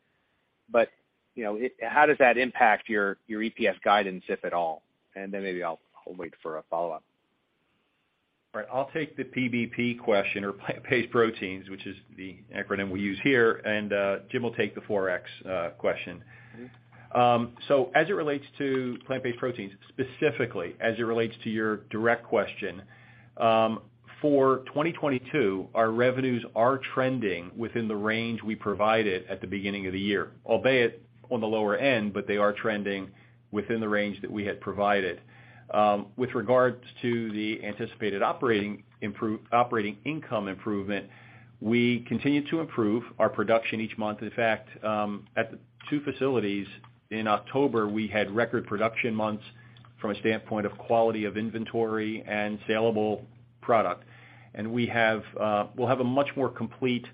You know, how does that impact your EPS guidance, if at all? And then maybe I'll wait for a follow-up. All right. I'll take the PBP question or plant-based proteins, which is the acronym we use here, and Jim will take the Forex question. As it relates to plant-based proteins, specifically as it relates to your direct question, for 2022, our revenues are trending within the range we provided at the beginning of the year, albeit on the lower end, but they are trending within the range that we had provided. With regards to the anticipated operating income improvement, we continue to improve our production each month. In fact, at the two facilities in October, we had record production months from a standpoint of quality of inventory and saleable product. We have, we'll have a much more complete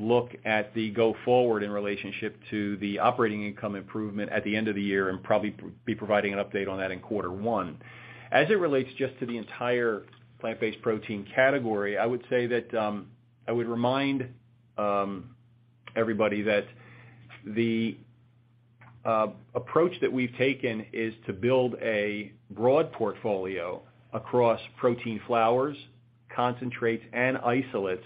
look at the go forward in relationship to the operating income improvement at the end of the year, and probably be providing an update on that in quarter one. As it relates just to the entire plant-based protein category, I would say that, I would remind, everybody that the approach that we've taken is to build a broad portfolio across protein flours, concentrates, and isolates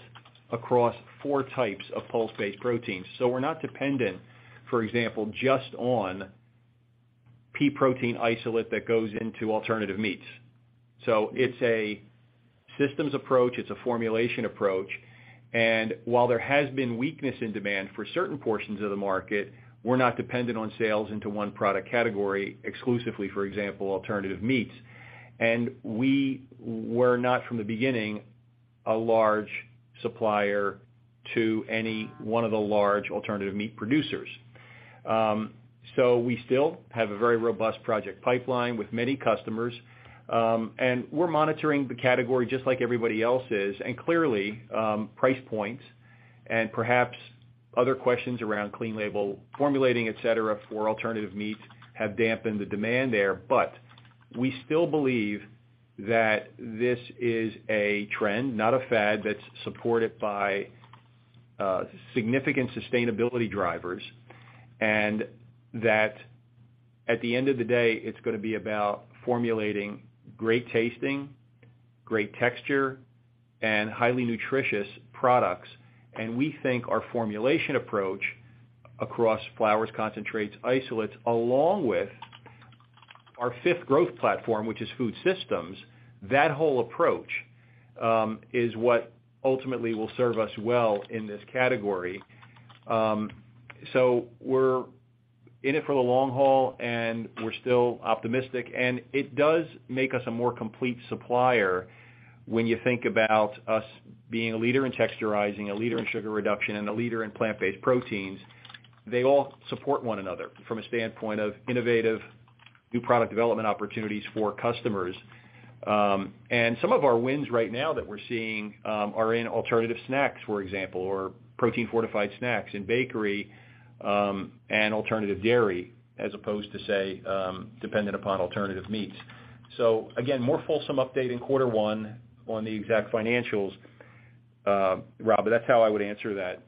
across four types of pulse-based proteins. We're not dependent, for example, just on pea protein isolate that goes into alternative meats. It's a systems approach, it's a formulation approach, and while there has been weakness in demand for certain portions of the market, we're not dependent on sales into one product category exclusively, for example, alternative meats. We were not, from the beginning, a large supplier to any one of the large alternative meat producers. We still have a very robust project pipeline with many customers, and we're monitoring the category just like everybody else is. Clearly, price points and perhaps other questions around clean label formulating, et cetera, for alternative meats have dampened the demand there. We still believe that this is a trend, not a fad, that's supported by significant sustainability drivers, and that at the end of the day, it's gonna be about formulating great tasting, great texture, and highly nutritious products. We think our formulation approach across flours, concentrates, isolates, along with our fifth growth platform, which is food systems, that whole approach is what ultimately will serve us well in this category. We're in it for the long haul, and we're still optimistic. It does make us a more complete supplier when you think about us being a leader in texturizing, a leader in sugar reduction, and a leader in plant-based proteins. They all support one another from a standpoint of innovative new product development opportunities for customers. Some of our wins right now that we're seeing are in alternative snacks, for example, or protein fortified snacks in bakery, and alternative dairy, as opposed to say, dependent upon alternative meats. Again, more fulsome update in quarter one on the exact financials, Rob, but that's how I would answer that.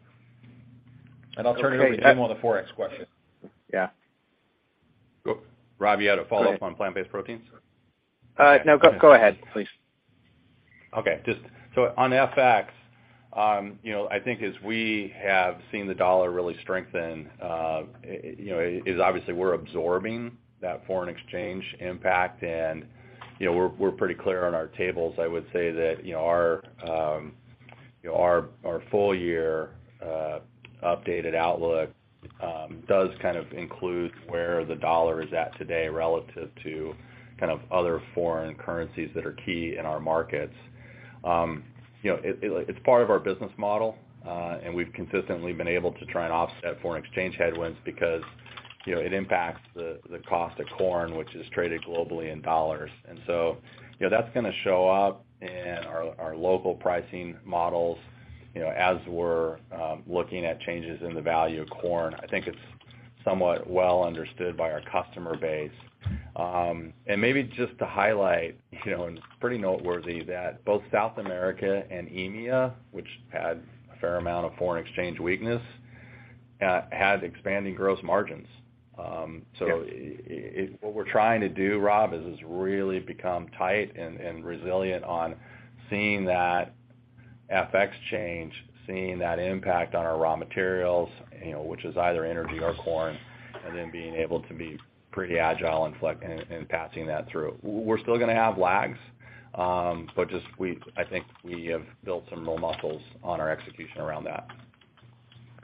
I'll turn it over to Jim on the Forex question. Yeah. Rob, you had a follow-up on plant-based proteins? No. Go ahead, please. Just so on FX, you know, I think as we have seen the dollar really strengthen, you know, it's obvious we're absorbing that foreign exchange impact and, you know, we're pretty clear on our tables. I would say that, you know, our full-year updated outlook does kind of include where the dollar is at today relative to kind of other foreign currencies that are key in our markets. You know, it's part of our business model, and we've consistently been able to try and offset foreign exchange headwinds because, you know, it impacts the cost of corn, which is traded globally in dollars. You know, that's gonna show up in our local pricing models, you know, as we're looking at changes in the value of corn. I think it's somewhat well understood by our customer base. Maybe just to highlight, you know, and it's pretty noteworthy that both South America and EMEA, which had a fair amount of foreign exchange weakness, had expanding gross margins. What we're trying to do, Rob, is really become tight and resilient on seeing that FX change, seeing that impact on our raw materials, you know, which is either energy or corn, and then being able to be pretty agile and flexible in passing that through. We're still gonna have lags, but I think we have built some real muscles on our execution around that.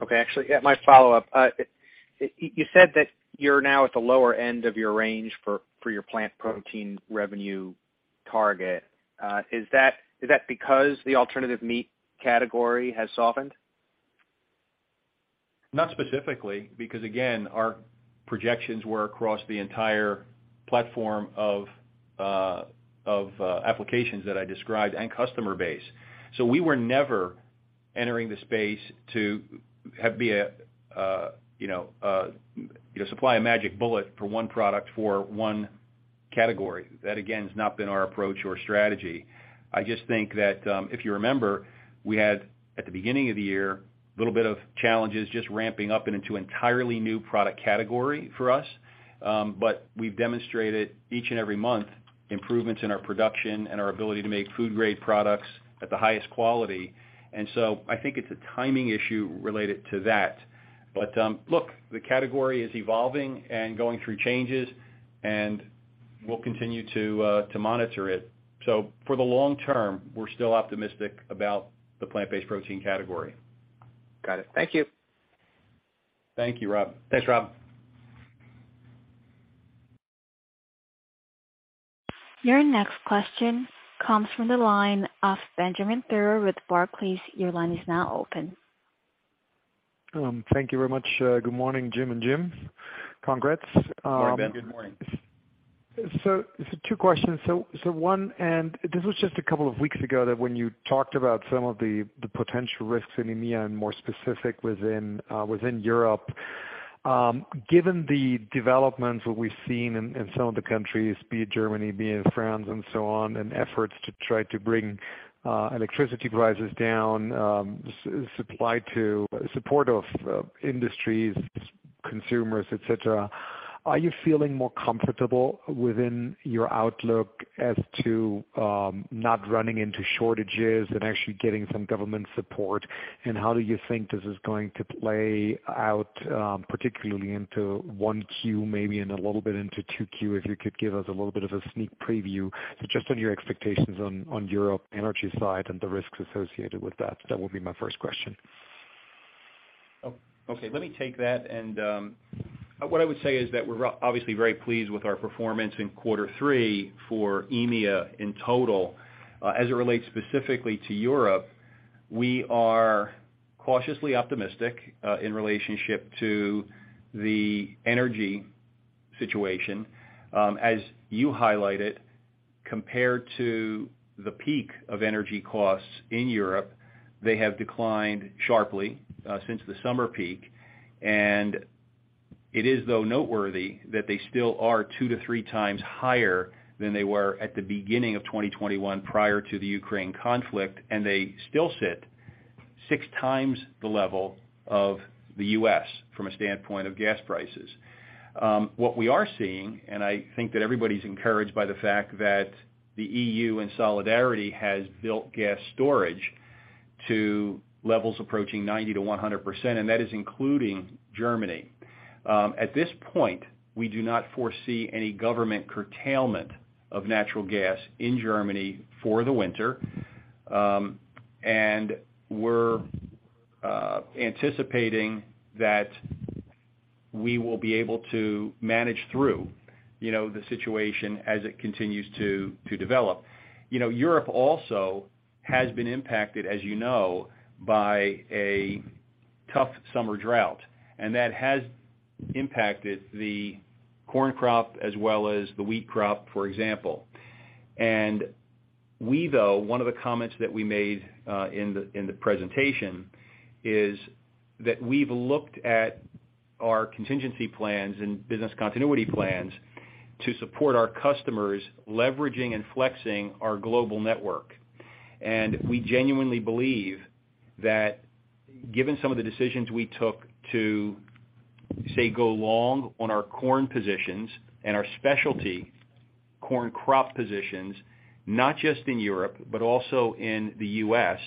Okay. Actually, yeah, my follow-up. You said that you're now at the lower end of your range for your plant protein revenue target. Is that because the alternative meat category has softened? Not specifically, because again, our projections were across the entire platform of applications that I described and customer base. We were never entering the space to have a way to supply a magic bullet for one product for one category. That again has not been our approach or strategy. I just think that, if you remember, we had, at the beginning of the year, a little bit of challenges just ramping up into entirely new product category for us. We've demonstrated each and every month improvements in our production and our ability to make food-grade products at the highest quality. I think it's a timing issue related to that. Look, the category is evolving and going through changes, and we'll continue to monitor it. For the long term, we're still optimistic about the plant-based protein category. Got it. Thank you. Thank you, Rob. Thanks, Rob. Your next question comes from the line of Benjamin Theurer with Barclays. Your line is now open. Thank you very much. Good morning, James and Jim. Congrats. Good morning, Ben. Good morning. Two questions. One, and this was just a couple of weeks ago that when you talked about some of the potential risks in EMEA and more specific within Europe. Given the developments that we've seen in some of the countries, be it Germany, be it France and so on, and efforts to try to bring electricity prices down, supply to support of industries, consumers, et cetera, are you feeling more comfortable within your outlook as to not running into shortages and actually getting some government support? How do you think this is going to play out, particularly into 1Q, maybe in a little bit into 2Q, if you could give us a little bit of a sneak preview just on your expectations on Europe energy side and the risks associated with that. That would be my first question. Oh, okay. Let me take that. What I would say is that we're obviously very pleased with our performance in quarter three for EMEA in total. As it relates specifically to Europe, we are cautiously optimistic in relationship to the energy situation. As you highlighted, compared to the peak of energy costs in Europe, they have declined sharply since the summer peak. It is though noteworthy that they still are 2-3x higher than they were at the beginning of 2021 prior to the Ukraine conflict, and they still sit six times the level of the US from a standpoint of gas prices. What we are seeing, and I think that everybody's encouraged by the fact that the EU in solidarity has built gas storage to levels approaching 90%-100%, and that is including Germany. At this point, we do not foresee any government curtailment of natural gas in Germany for the winter. We're anticipating that we will be able to manage through, you know, the situation as it continues to develop. You know, Europe also has been impacted, as you know, by a tough summer drought, and that has impacted the corn crop as well as the wheat crop, for example. We thought, one of the comments that we made in the presentation is that we've looked at our contingency plans and business continuity plans to support our customers leveraging and flexing our global network. We genuinely believe that given some of the decisions we took to, say, go long on our corn positions and our specialty corn crop positions, not just in Europe, but also in the US,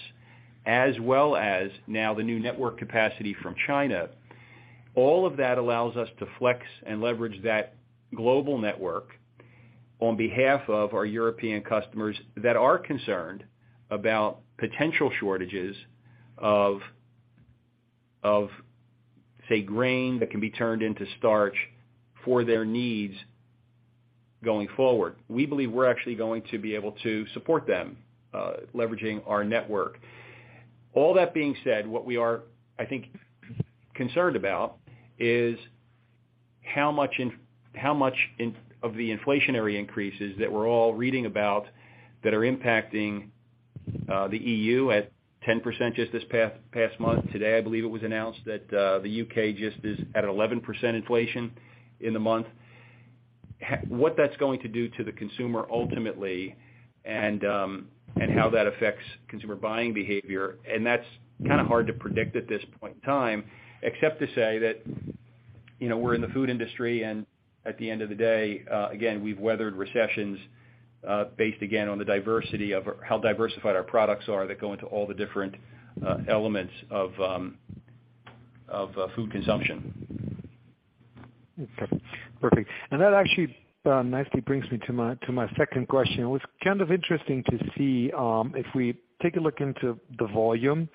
as well as now the new network capacity from China, all of that allows us to flex and leverage that global network on behalf of our European customers that are concerned about potential shortages of, say, grain that can be turned into starch for their needs going forward. We believe we're actually going to be able to support them, leveraging our network. All that being said, what we are, I think, concerned about is how much of the inflationary increases that we're all reading about that are impacting the EU at 10% just this past month. Today, I believe it was announced that the U.K. is just at 11% inflation in the month. What that's going to do to the consumer ultimately and how that affects consumer buying behavior. That's kind of hard to predict at this point in time, except to say that, you know, we're in the food industry, and at the end of the day, again, we've weathered recessions based again on how diversified our products are that go into all the different elements of food consumption. Okay, perfect. That actually nicely brings me to my second question. It was kind of interesting to see if we take a look into the volume,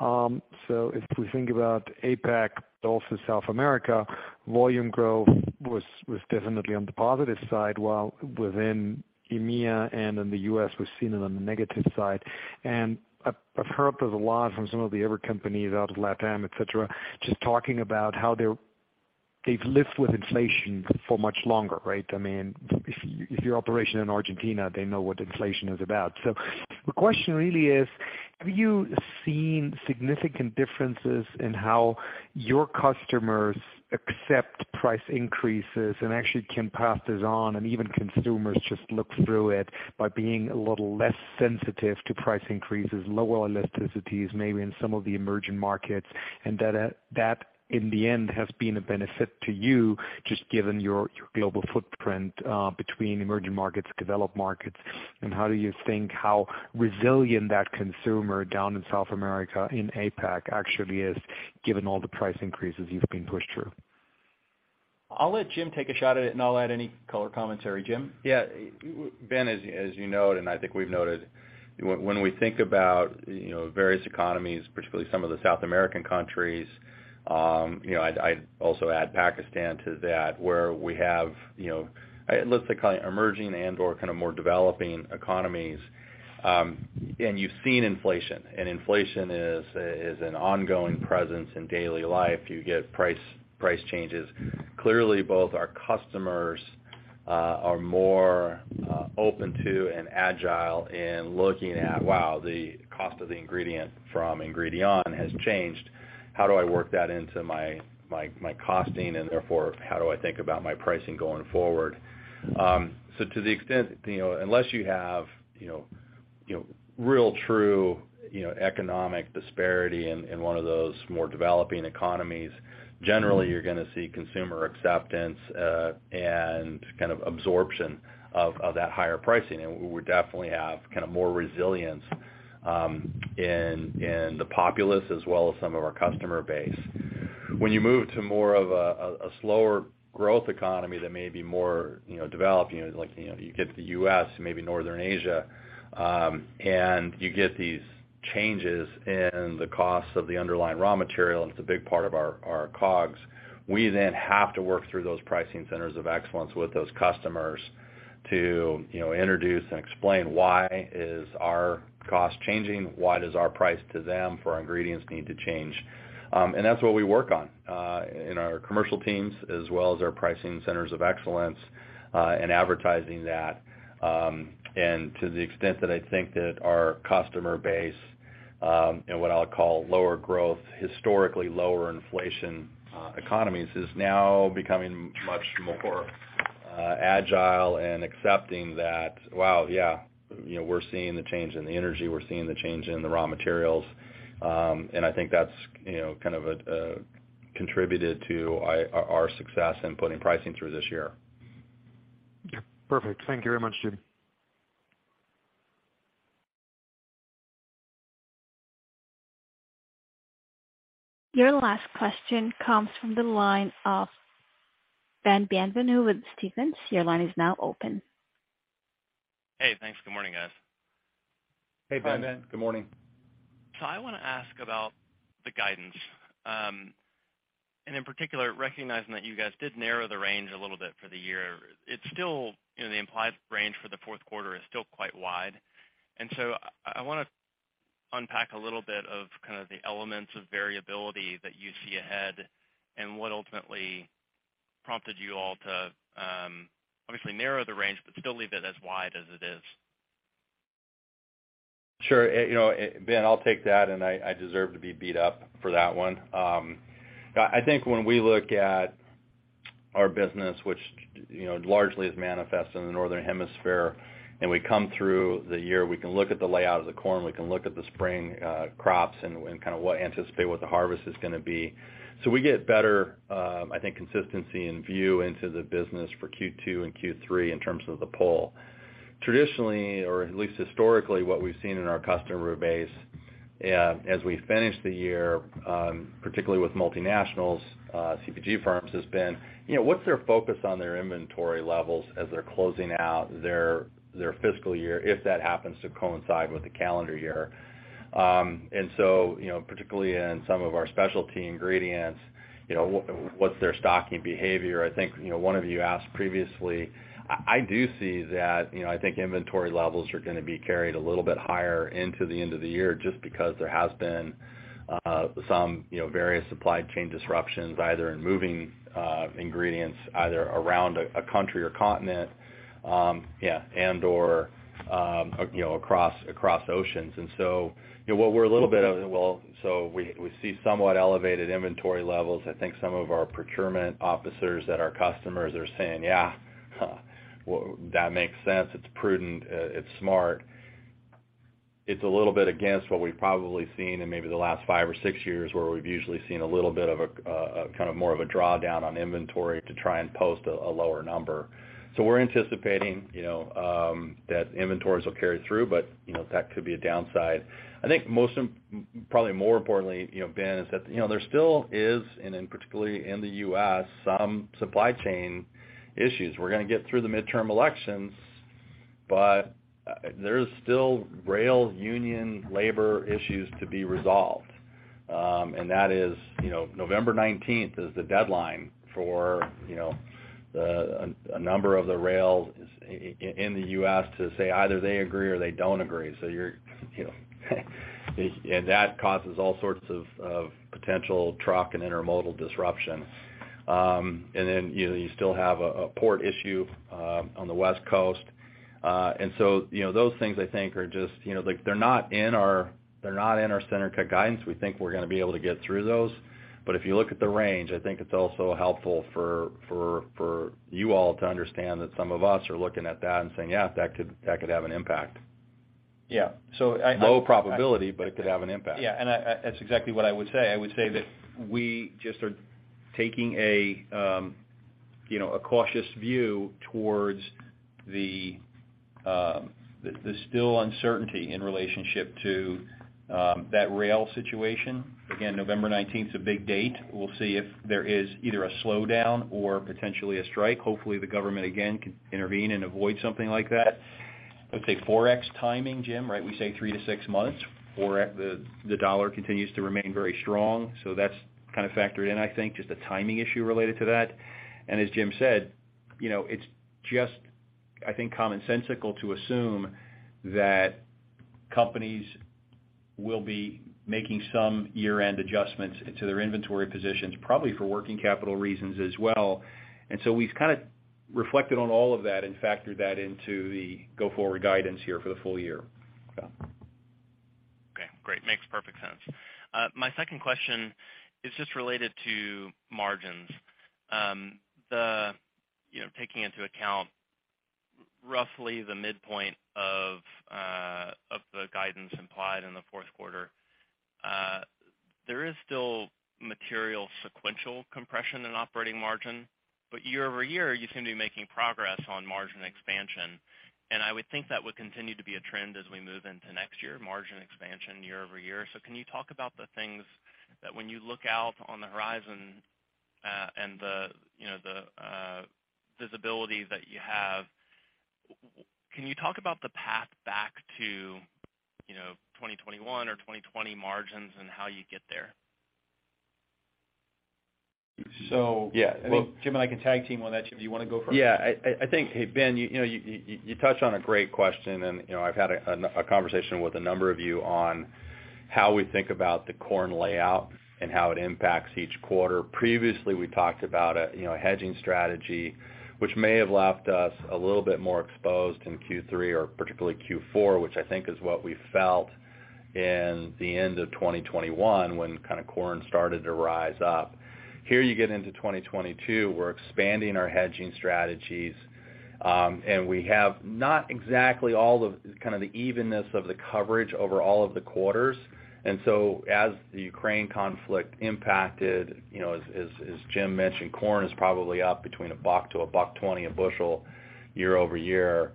so if we think about APAC, but also South America, volume growth was definitely on the positive side, while within EMEA and in the US, we've seen it on the negative side. I've heard this a lot from some of the other companies out of LatAm, et cetera, just talking about how they've lived with inflation for much longer, right? I mean, if your operation in Argentina, they know what inflation is about. The question really is, have you seen significant differences in how your customers accept price increases and actually can pass this on and even consumers just look through it by being a little less sensitive to price increases, lower elasticities maybe in some of the emerging markets, and that in the end has been a benefit to you just given your global footprint, between emerging markets, developed markets, and how do you think how resilient that consumer down in South America in APAC actually is given all the price increases you've been pushed through? I'll let Jim take a shot at it and I'll add any color commentary. Jim? Yeah. Ben, as you know, it, and I think we've noted, when we think about, you know, various economies, particularly some of the South American countries, you know, I'd also add Pakistan to that, where we have, you know, let's say, kind of emerging and/or kind of more developing economies, and you've seen inflation. Inflation is an ongoing presence in daily life. You get price changes. Clearly, both our customers are more open to and agile in looking at, wow, the cost of the ingredient from Ingredion has changed. How do I work that into my costing, and therefore, how do I think about my pricing going forward? To the extent, you know, unless you have, you know, you know, real true, you know, economic disparity in one of those more developing economies, generally, you're gonna see consumer acceptance, and kind of absorption of that higher pricing. We definitely have kind of more resilience in the populace as well as some of our customer base. When you move to more of a slower growth economy that may be more, you know, developed, you know, like, you know, you get to the U.S., maybe Northern Asia, and you get these changes in the cost of the underlying raw material, and it's a big part of our COGS, we then have to work through those pricing centers of excellence with those customers to, you know, introduce and explain why is our cost changing, why does our price to them for our ingredients need to change. That's what we work on in our commercial teams as well as our pricing centers of excellence in advocating that. To the extent that I think that our customer base in what I'll call lower growth, historically lower inflation economies, is now becoming much more agile and accepting that, wow, yeah, you know, we're seeing the change in the energy, we're seeing the change in the raw materials. I think that's, you know, kind of contributed to our success in putting pricing through this year. Yeah. Perfect. Thank you very much, Jim. Your last question comes from the line of Ben Bienvenu with Stephens. Your line is now open. Hey, thanks. Good morning, guys. Hey, Ben. Good morning. I wanna ask about the guidance. In particular, recognizing that you guys did narrow the range a little bit for the year, it's still, you know, the implied range for the fourth quarter is still quite wide. I wanna unpack a little bit of kind of the elements of variability that you see ahead and what ultimately prompted you all to obviously narrow the range but still leave it as wide as it is. Sure. You know, Ben, I'll take that, and I deserve to be beat up for that one. I think when we look at our business, which, you know, largely is manifest in the Northern Hemisphere, and we come through the year, we can look at the layout of the corn, we can look at the spring crops and kind of anticipate what the harvest is gonna be. So we get better, I think consistency and view into the business for Q2 and Q3 in terms of the pull. Traditionally, or at least historically, what we've seen in our customer base, as we finish the year, particularly with multinationals, CPG firms, has been, you know, what's their focus on their inventory levels as they're closing out their fiscal year, if that happens to coincide with the calendar year. You know, particularly in some of our specialty ingredients, you know, what's their stocking behavior? I think, you know, one of you asked previously, I do see that, you know, I think inventory levels are gonna be carried a little bit higher into the end of the year just because there has been some, you know, various supply chain disruptions, either in moving ingredients around a country or continent, and/or, you know, across oceans. You know, so we see somewhat elevated inventory levels. I think some of our procurement officers at our customers are saying, "Yeah, well, that makes sense. It's prudent. It's smart. It's a little bit against what we've probably seen in maybe the last 5 or 6 years where we've usually seen a little bit of a kind of more of a drawdown on inventory to try and post a lower number. We're anticipating, you know, that inventories will carry through, but, you know, that could be a downside. I think most probably more importantly, you know, Ben, is that, you know, there still is, and in particular in the US, some supply chain issues. We're gonna get through the midterm elections, but, there's still rail union labor issues to be resolved. And that is, you know, November 19th is the deadline for, you know, a number of the rails in the US to say either they agree or they don't agree. You're, you know, that causes all sorts of potential truck and intermodal disruption. You know, you still have a port issue on the West Coast. You know, those things I think are just, you know, like they're not in our center cut guidance. We think we're gonna be able to get through those. But if you look at the range, I think it's also helpful for you all to understand that some of us are looking at that and saying, "Yeah, that could have an impact. Yeah. I Low probability, but it could have an impact. Yeah, that's exactly what I would say. I would say that we just are taking a, you know, a cautious view towards the still uncertainty in relationship to, that rail situation. Again, November nineteenth's a big date. We'll see if there is either a slowdown or potentially a strike. Hopefully, the government again can intervene and avoid something like that. I'd say Forex timing, Jim, right? We say 3-6 months. Forex, the dollar continues to remain very strong, so that's kind of factored in, I think, just the timing issue related to that. As Jim said, you know, it's just, I think, commonsensical to assume that companies will be making some year-end adjustments to their inventory positions, probably for working capital reasons as well. We've kind of reflected on all of that and factored that into the go-forward guidance here for the full year. Yeah. Okay. Great. Makes perfect sense. My second question is just related to margins. You know, taking into account roughly the midpoint of the guidance implied in the fourth quarter, there is still material sequential compression in operating margin. Year-over-year, you seem to be making progress on margin expansion. I would think that would continue to be a trend as we move into next year, margin expansion year-over-year. Can you talk about the things that when you look out on the horizon and the visibility that you have. Can you talk about the path back to, you know, 2021 or 2020 margins and how you get there? So- Yeah, well. I think Jim and I can tag team on that, Jim. Do you wanna go first? Yeah. I think, hey, Ben, you know, you touch on a great question and, you know, I've had a conversation with a number of you on how we think about the corn outlook and how it impacts each quarter. Previously, we talked about a, you know, hedging strategy, which may have left us a little bit more exposed in Q3 or particularly Q4, which I think is what we felt in the end of 2021 when kind of corn started to rise up. Here you get into 2022, we're expanding our hedging strategies, and we have not exactly all the kind of the evenness of the coverage over all of the quarters. As the Ukraine conflict impacted, you know, as James mentioned, corn is probably up between $1-$1.20 a bushel year-over-year.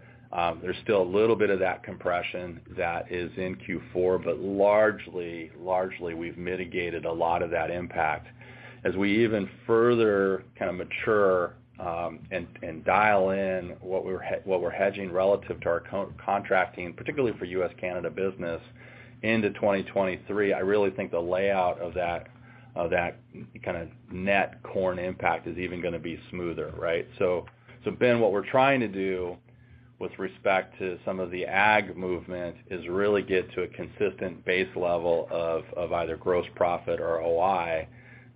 There's still a little bit of that compression that is in Q4, but largely, we've mitigated a lot of that impact. As we even further kind of mature, and dial in what we're hedging relative to our contracting, particularly for U.S., Canada business into 2023, I really think the layout of that kind of net corn impact is even gonna be smoother, right? Ben, what we're trying to do with respect to some of the ag movement is really get to a consistent base level of either gross profit or OI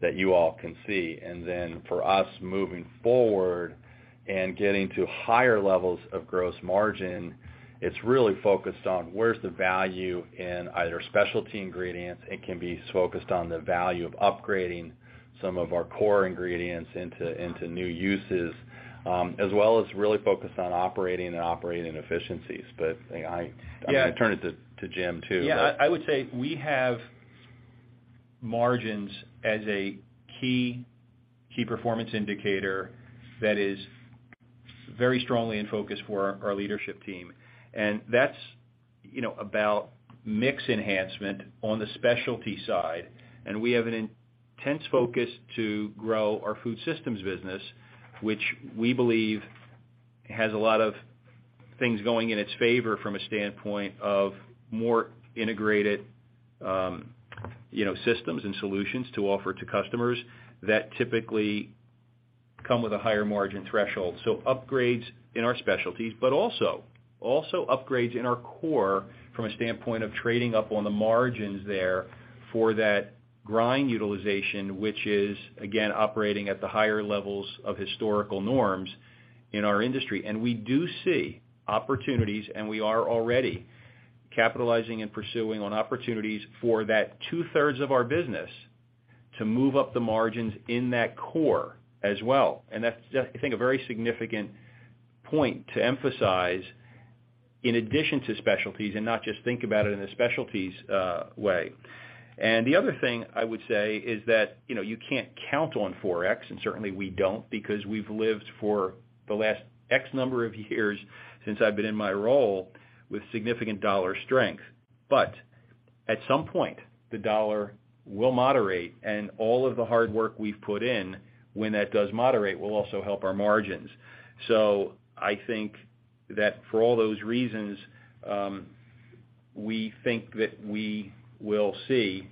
that you all can see. For us moving forward and getting to higher levels of gross margin, it's really focused on where's the value in either specialty ingredients. It can be focused on the value of upgrading some of our core ingredients into new uses, as well as really focused on operating efficiencies. But I Yeah. I'm gonna turn it to James too. Yeah. I would say we have margins as a key performance indicator that is very strongly in focus for our leadership team. That's, you know, about mix enhancement on the specialty side. We have an intense focus to grow our food systems business, which we believe has a lot of things going in its favor from a standpoint of more integrated, you know, systems and solutions to offer to customers that typically come with a higher margin threshold. Upgrades in our specialties, but also upgrades in our core from a standpoint of trading up on the margins there for that grind utilization, which is again operating at the higher levels of historical norms in our industry. We do see opportunities, and we are already capitalizing and pursuing on opportunities for that two-thirds of our business to move up the margins in that core as well. That's, I think, a very significant point to emphasize in addition to specialties, and not just think about it in a specialties way. The other thing I would say is that, you know, you can't count on Forex, and certainly we don't because we've lived for the last X number of years since I've been in my role with significant dollar strength. At some point, the dollar will moderate, and all of the hard work we've put in when that does moderate will also help our margins. I think that for all those reasons, we think that we will see,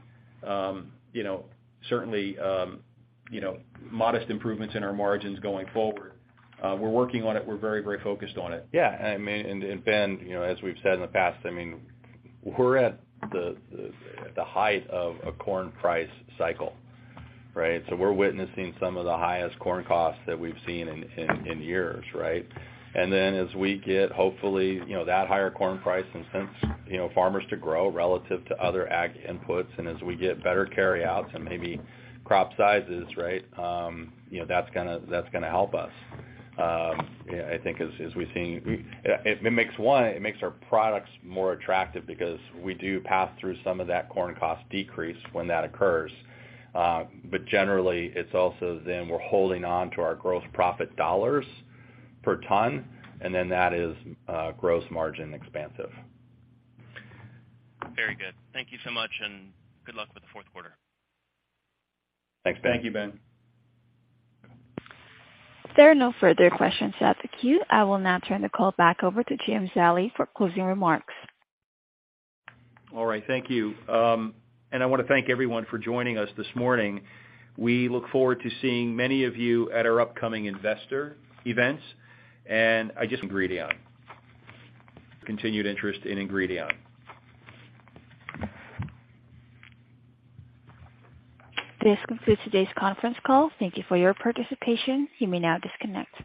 you know, certainly, you know, modest improvements in our margins going forward. We're working on it. We're very, very focused on it. Yeah. I mean and Ben, you know, as we've said in the past, I mean, we're at the height of a corn price cycle, right? We're witnessing some of the highest corn costs that we've seen in years, right? Then as we get, hopefully, you know, that higher corn price incentivizes, you know, farmers to grow relative to other ag inputs and as we get better carry outs and maybe crop sizes, right? You know, that's gonna help us. You know, I think as we've seen, it makes our products more attractive because we do pass through some of that corn cost decrease when that occurs. But generally it's also then we're holding on to our gross profit dollars per ton, and then that is gross margin expansion. Very good. Thank you so much, and good luck with the fourth quarter. Thanks, Ben. Thank you, Ben. There are no further questions in the queue. I will now turn the call back over to James Zallie for closing remarks. All right. Thank you. I wanna thank everyone for joining us this morning. We look forward to seeing many of you at our upcoming investor events. Continued interest in Ingredion. This concludes today's conference call. Thank you for your participation. You may now disconnect.